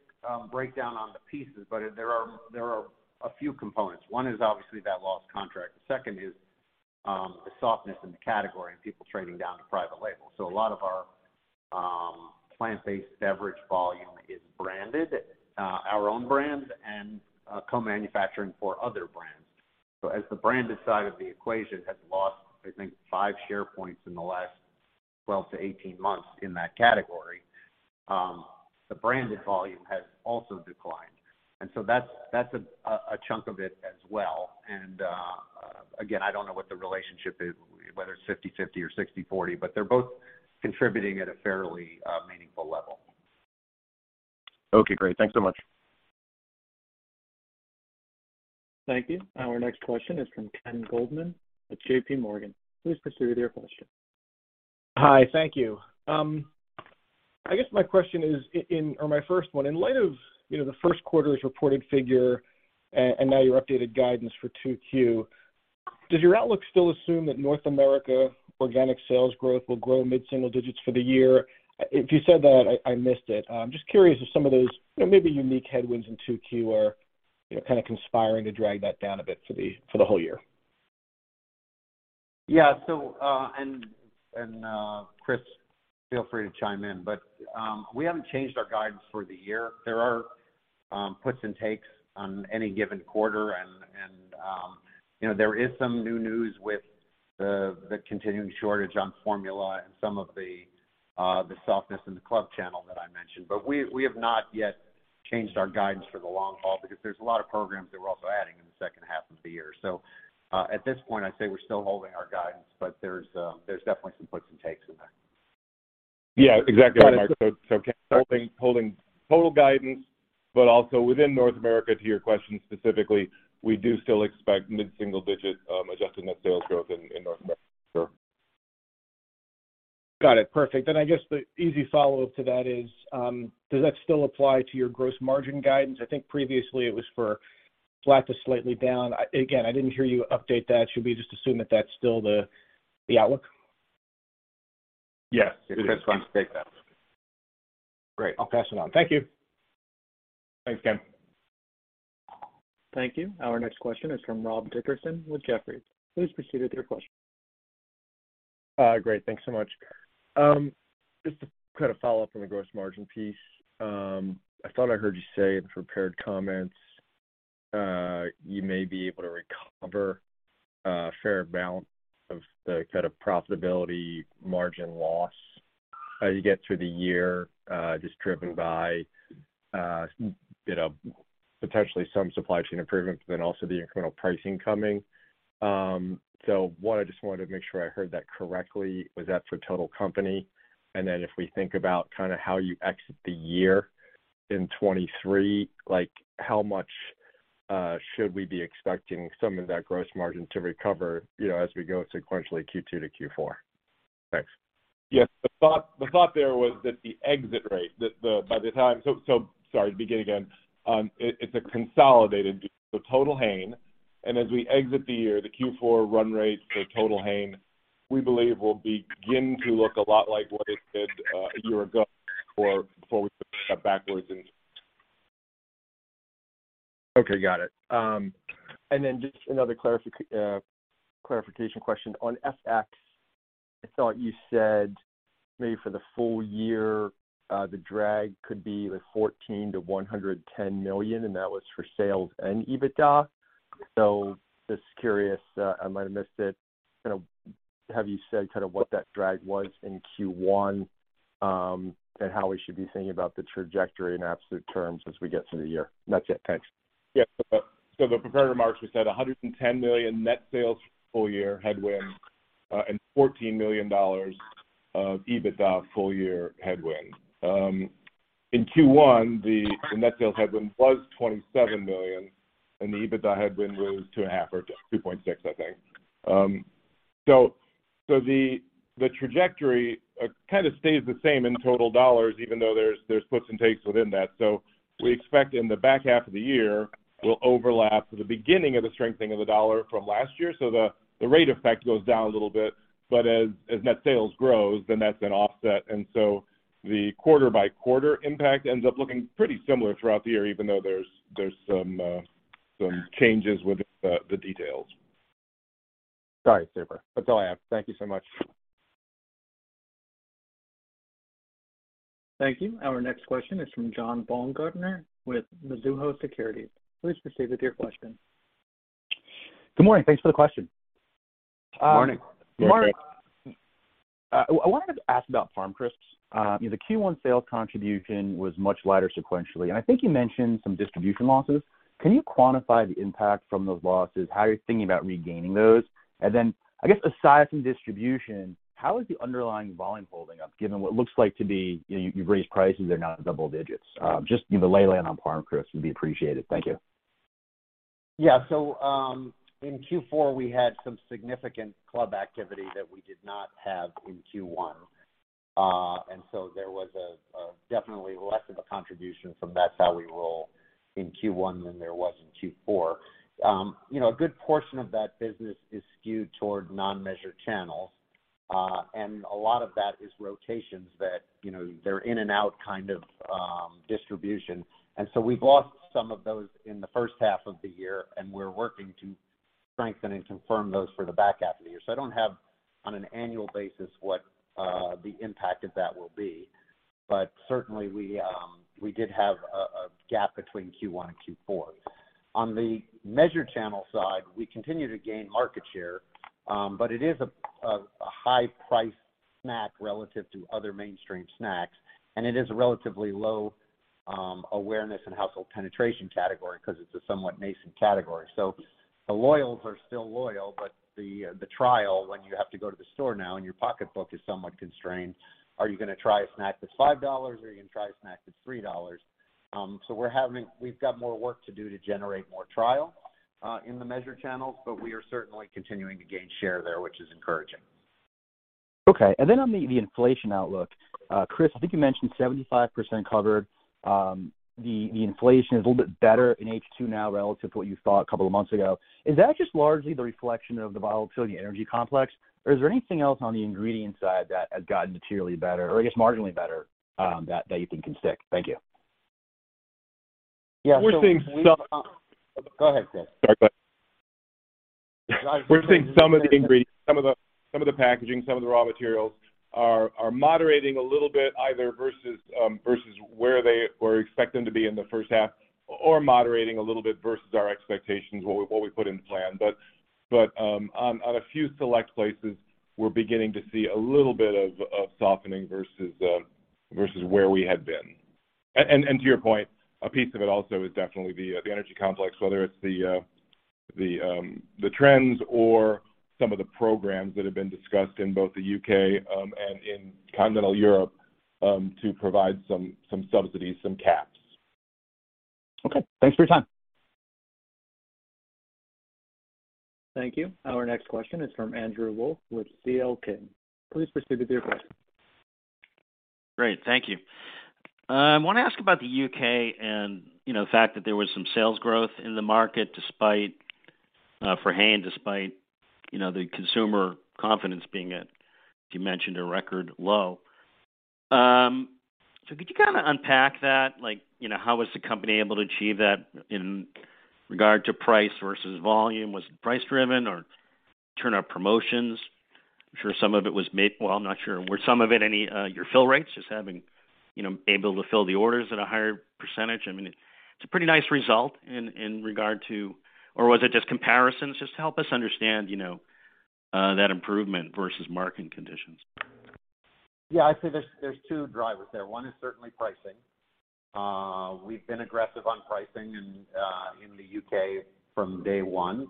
[SPEAKER 3] breakdown on the pieces, but there are a few components. One is obviously that lost contract. The second is the softness in the category and people trading down to private label. A lot of our plant-based beverage volume is branded, our own brands, and co-manufacturing for other brands. As the branded side of the equation has lost, I think, five share points in the last 12-18 months in that category, the branded volume has also declined. That is a chunk of it as well. Again, I do not know what the relationship is, whether it is 50/50 or 60/40, but they are both contributing at a fairly meaningful level.
[SPEAKER 9] Okay, great. Thanks so much.
[SPEAKER 1] Thank you. Our next question is from Ken Goldman at JP Morgan. Please proceed with your question.
[SPEAKER 10] Hi. Thank you. I guess my question is, or my first one, in light of the first quarter's reported figure and now your updated guidance for 2Q, does your outlook still assume that North America organic sales growth will grow mid-single digits for the year? If you said that, I missed it. I'm just curious if some of those maybe unique headwinds in 2Q are kind of conspiring to drag that down a bit for the whole year.
[SPEAKER 3] Yeah. Chris, feel free to chime in, but we haven't changed our guidance for the year. There are puts and takes on any given quarter, and there is some new news with the continuing shortage on formula and some of the softness in the club channel that I mentioned. We have not yet changed our guidance for the long haul because there's a lot of programs that we're also adding in the second half of the year. At this point, I'd say we're still holding our guidance, but there's definitely some puts and takes in there.
[SPEAKER 4] Exactly, Mark. Ken, holding total guidance, but also within North America, to your question specifically, we do still expect mid-single digit adjusted net sales growth in North America for.
[SPEAKER 10] Got it. Perfect. I guess the easy follow-up to that is, does that still apply to your gross margin guidance? I think previously it was for flat to slightly down. I didn't hear you update that. Should we just assume that that's still the outlook?
[SPEAKER 4] Yes, it is.
[SPEAKER 3] Chris wants to take that.
[SPEAKER 10] Great. I'll pass it on. Thank you.
[SPEAKER 4] Thanks, Ken.
[SPEAKER 1] Thank you. Our next question is from Rob Dickerson with Jefferies. Please proceed with your question.
[SPEAKER 11] Great. Thanks so much. Just to follow up on the gross margin piece. I thought I heard you say in the prepared comments, you may be able to recover a fair balance of the profitability margin loss as you get through the year, just driven by potentially some supply chain improvements, but then also the incremental pricing coming. One, I just wanted to make sure I heard that correctly. Was that for total company? If we think about how you exit the year in 2023, how much should we be expecting some of that gross margin to recover as we go sequentially Q2 to Q4? Thanks.
[SPEAKER 4] Yes. The thought there was that the exit rate. Sorry, to begin again. It's a consolidated view, total Hain. As we exit the year, the Q4 run rate for total Hain, we believe will begin to look a lot like what it did a year ago before we took a step backwards in.
[SPEAKER 11] Okay. Got it. Just another clarification question on FX. I thought you said maybe for the full year, the drag could be like $14 million to $110 million, and that was for sales and EBITDA. Just curious, I might have missed it. Have you said what that drag was in Q1, and how we should be thinking about the trajectory in absolute terms as we get through the year? That's it. Thanks.
[SPEAKER 4] Yeah. The prepared remarks, we said $110 million net sales full year headwind, and $14 million of EBITDA full year headwind. In Q1, the net sales headwind was $27 million, and the EBITDA headwind was $2.5 million or just $2.6 million, I think. The trajectory kind of stays the same in total dollars, even though there's puts and takes within that. We expect in the back half of the year will overlap the beginning of the strengthening of the dollar from last year. The rate effect goes down a little bit. As net sales grows, that's an offset, the quarter by quarter impact ends up looking pretty similar throughout the year, even though there's some changes with the details.
[SPEAKER 11] Got it, super. That's all I have. Thank you so much.
[SPEAKER 1] Thank you. Our next question is from John Baumgartner with Mizuho Securities. Please proceed with your question.
[SPEAKER 12] Good morning. Thanks for the question.
[SPEAKER 4] Morning.
[SPEAKER 12] Mark, I wanted to ask about ParmCrisps. The Q1 sales contribution was much lighter sequentially. I think you mentioned some distribution losses. Can you quantify the impact from those losses, how you're thinking about regaining those? Then, I guess aside from distribution, how is the underlying volume holding up given what looks like to be, you've raised prices, they're now in double digits. Just the lay of the land on ParmCrisps would be appreciated. Thank you.
[SPEAKER 3] Yeah. In Q4, we had some significant club activity that we did not have in Q1. There was definitely less of a contribution from That's How We Roll in Q1 than there was in Q4. A good portion of that business is skewed toward non-measured channels. A lot of that is rotations that, they're in and out kind of distribution. We've lost some of those in the first half of the year, and we're working to strengthen and confirm those for the back half of the year. I don't have, on an annual basis, what the impact of that will be. Certainly, we did have a gap between Q1 and Q4. On the measured channel side, we continue to gain market share. It is a high price snack relative to other mainstream snacks, and it is a relatively low awareness and household penetration category because it's a somewhat nascent category. The loyals are still loyal, but the trial, when you have to go to the store now and your pocketbook is somewhat constrained, are you going to try a snack that's $5 or are you going to try a snack that's $3? We've got more work to do to generate more trial in the measured channels, but we are certainly continuing to gain share there, which is encouraging.
[SPEAKER 12] Okay. On the inflation outlook, Chris, I think you mentioned 75% covered. The inflation is a little bit better in H2 now relative to what you thought a couple of months ago. Is that just largely the reflection of the volatile energy complex, or is there anything else on the ingredient side that has gotten materially better or I guess marginally better that you think can stick? Thank you.
[SPEAKER 3] Yeah, so-
[SPEAKER 4] We're seeing some-
[SPEAKER 3] Go ahead, Chris.
[SPEAKER 4] Sorry about that. We're seeing some of the ingredients, some of the packaging, some of the raw materials are moderating a little bit, either versus where we expect them to be in the first half, or moderating a little bit versus our expectations, what we put in the plan. On a few select places, we're beginning to see a little bit of softening versus where we had been. To your point, a piece of it also is definitely the energy complex, whether it's the trends or some of the programs that have been discussed in both the U.K. and in continental Europe to provide some subsidies, some caps.
[SPEAKER 12] Okay. Thanks for your time.
[SPEAKER 1] Thank you. Our next question is from Andrew Wolf with CLKing. Please proceed with your question.
[SPEAKER 13] Great. Thank you. I want to ask about the U.K. and the fact that there was some sales growth in the market despite, for Hain, despite the consumer confidence being at, as you mentioned, a record low. Could you unpack that? How was the company able to achieve that in regard to price versus volume? Was it price driven or turn up promotions? Well, I'm not sure. Were some of it your fill rates, just being able to fill the orders at a higher percentage? Or was it just comparisons? Just help us understand that improvement versus market conditions.
[SPEAKER 3] I'd say there's 2 drivers there. One is certainly pricing. We've been aggressive on pricing in the U.K. from day one,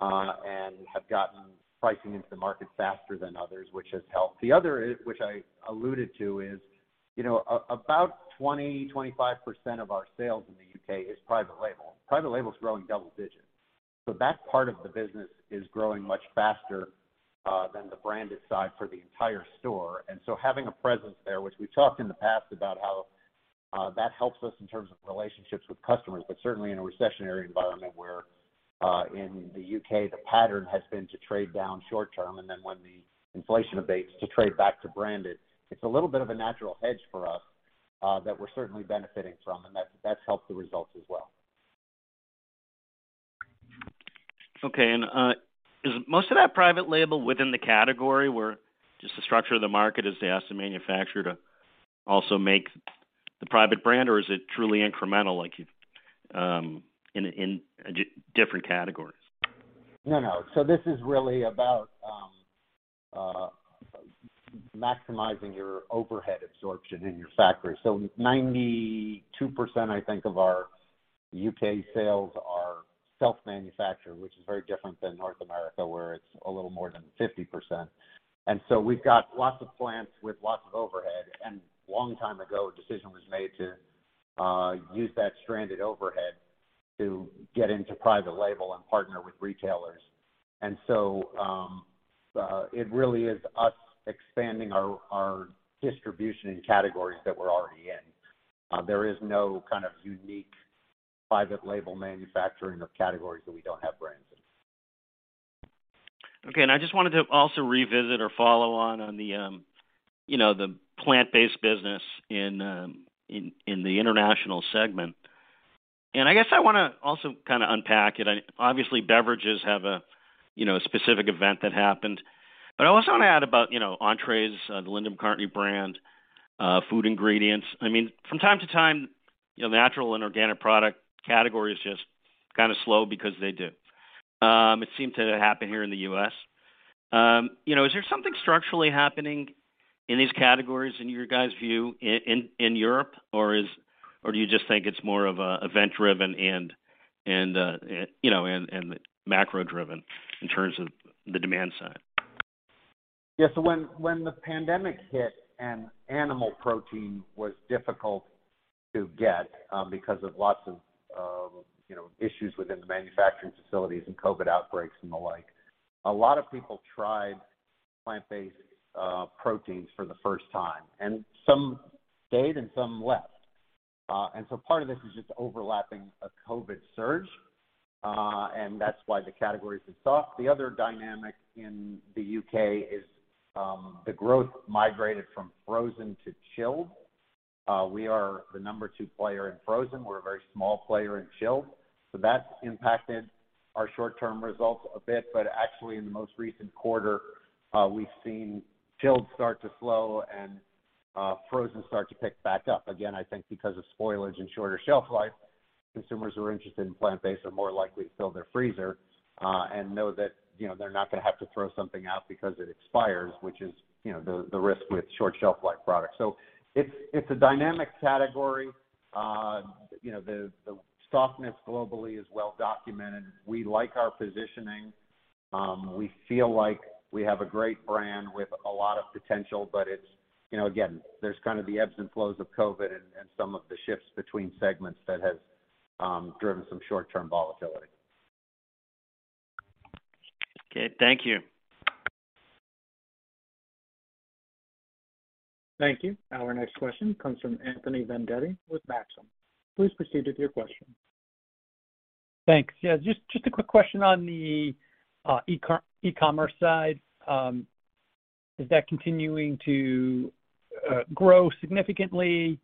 [SPEAKER 3] and have gotten pricing into the market faster than others, which has helped. The other, which I alluded to is, about 20%-25% of our sales in the U.K. is private label. Private label's growing double digits. That part of the business is growing much faster than the branded side for the entire store. Having a presence there, which we've talked in the past about how that helps us in terms of relationships with customers. Certainly in a recessionary environment where, in the U.K., the pattern has been to trade down short term, and then when the inflation abates, to trade back to branded. It's a little bit of a natural hedge for us that we're certainly benefiting from, and that's helped the results as well.
[SPEAKER 13] Okay. Is most of that private label within the category, where just the structure of the market is they ask the manufacturer to also make the private brand or is it truly incremental like in different categories?
[SPEAKER 3] No. This is really about maximizing your overhead absorption in your factory. 92%, I think, of our U.K. sales are self-manufactured, which is very different than North America, where it's a little more than 50%. We've got lots of plants with lots of overhead. Long time ago, a decision was made to use that stranded overhead to get into private label and partner with retailers. It really is us expanding our distribution in categories that we're already in. There is no kind of unique private label manufacturing of categories that we don't have brands in.
[SPEAKER 13] Okay. I just wanted to also revisit or follow on the plant-based business in the international segment. I guess I want to also kind of unpack it. Obviously, beverages have a specific event that happened. I also want to add about entrees, the Linda McCartney brand, food ingredients. From time to time, natural and organic product category is just kind of slow because they do. It seemed to happen here in the U.S. Is there something structurally happening in these categories in your guys' view in Europe, or do you just think it's more of event-driven and macro-driven in terms of the demand side?
[SPEAKER 3] Yeah. When the pandemic hit and animal protein was difficult to get because of lots of issues within the manufacturing facilities and COVID outbreaks and the like, a lot of people tried plant-based proteins for the first time, and some stayed and some left. Part of this is just overlapping a COVID surge, and that's why the category is soft. The other dynamic in the U.K. is the growth migrated from frozen to chilled. We are the number 2 player in frozen. We're a very small player in chilled. That's impacted our short-term results a bit, but actually in the most recent quarter, we've seen chilled start to slow and frozen start to pick back up. Again, I think because of spoilage and shorter shelf life, consumers who are interested in plant-based are more likely to fill their freezer, and know that they're not going to have to throw something out because it expires, which is the risk with short shelf-life products. It's a dynamic category. The softness globally is well documented. We like our positioning. We feel like we have a great brand with a lot of potential, but again, there's kind of the ebbs and flows of COVID and some of the shifts between segments that has driven some short-term volatility.
[SPEAKER 13] Okay. Thank you.
[SPEAKER 1] Thank you. Our next question comes from Anthony Vendetti with Maxim Group. Please proceed with your question.
[SPEAKER 14] Thanks. Just a quick question on the e-commerce side. Is that continuing to grow significantly?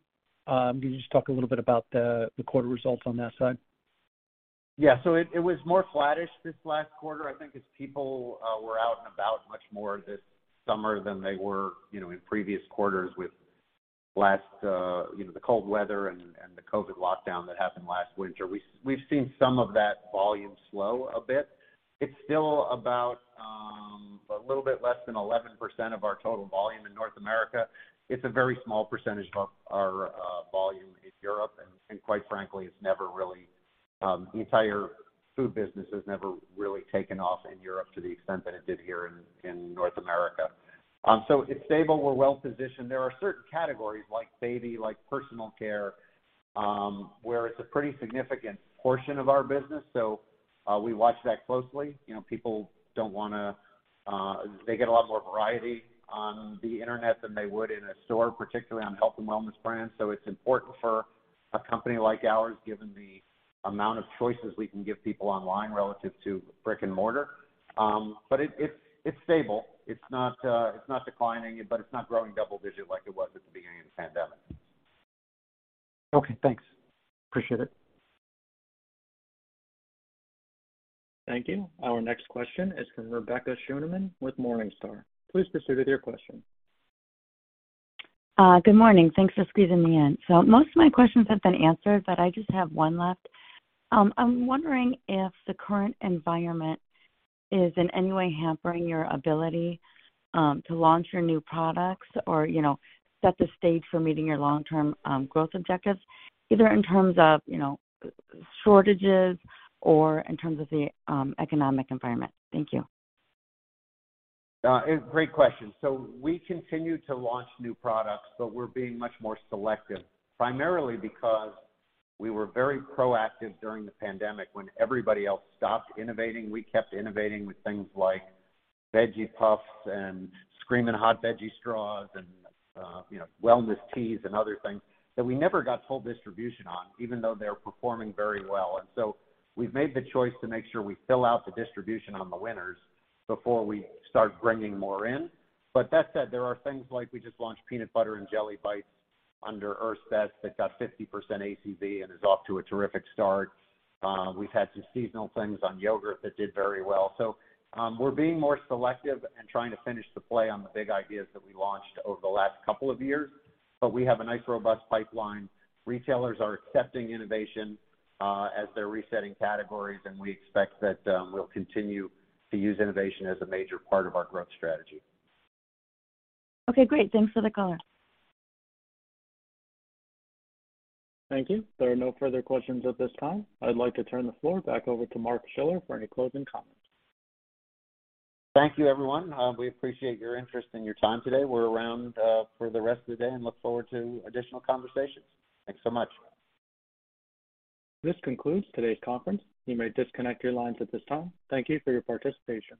[SPEAKER 14] Can you just talk a little bit about the quarter results on that side?
[SPEAKER 3] It was more flattish this last quarter, I think as people were out and about much more this summer than they were in previous quarters with the cold weather and the COVID lockdown that happened last winter. We've seen some of that volume slow a bit. It's still about a little bit less than 11% of our total volume in North America. It's a very small percentage of our volume in Europe, and quite frankly, the entire food business has never really taken off in Europe to the extent that it did here in North America. It's stable. We're well-positioned. There are certain categories like baby, like personal care, where it's a pretty significant portion of our business. We watch that closely. They get a lot more variety on the internet than they would in a store, particularly on health and wellness brands. It's important for a company like ours, given the amount of choices we can give people online relative to brick and mortar. It's stable. It's not declining, but it's not growing double-digit like it was at the beginning of the pandemic.
[SPEAKER 14] Okay, thanks. Appreciate it.
[SPEAKER 1] Thank you. Our next question is from Rebecca Scheuneman with Morningstar. Please proceed with your question.
[SPEAKER 15] Good morning. Thanks for squeezing me in. Most of my questions have been answered, but I just have one left. I'm wondering if the current environment is in any way hampering your ability to launch your new products or set the stage for meeting your long-term growth objectives, either in terms of shortages or in terms of the economic environment. Thank you.
[SPEAKER 3] Great question. We continue to launch new products, we're being much more selective, primarily because we were very proactive during the pandemic. When everybody else stopped innovating, we kept innovating with things like veggie puffs and Screaming Hot Veggie Straws and wellness teas and other things that we never got full distribution on, even though they're performing very well. We've made the choice to make sure we fill out the distribution on the winners before we start bringing more in. That said, there are things like we just launched peanut butter and jelly bites under Earth's Best that got 50% ACV and is off to a terrific start. We've had some seasonal things on yogurt that did very well. We're being more selective and trying to finish the play on the big ideas that we launched over the last couple of years. We have a nice, robust pipeline. Retailers are accepting innovation as they're resetting categories, we expect that we'll continue to use innovation as a major part of our growth strategy.
[SPEAKER 15] Okay, great. Thanks for the color.
[SPEAKER 1] Thank you. There are no further questions at this time. I'd like to turn the floor back over to Mark Schiller for any closing comments.
[SPEAKER 3] Thank you, everyone. We appreciate your interest and your time today. We're around for the rest of the day and look forward to additional conversations. Thanks so much.
[SPEAKER 1] This concludes today's conference. You may disconnect your lines at this time. Thank you for your participation.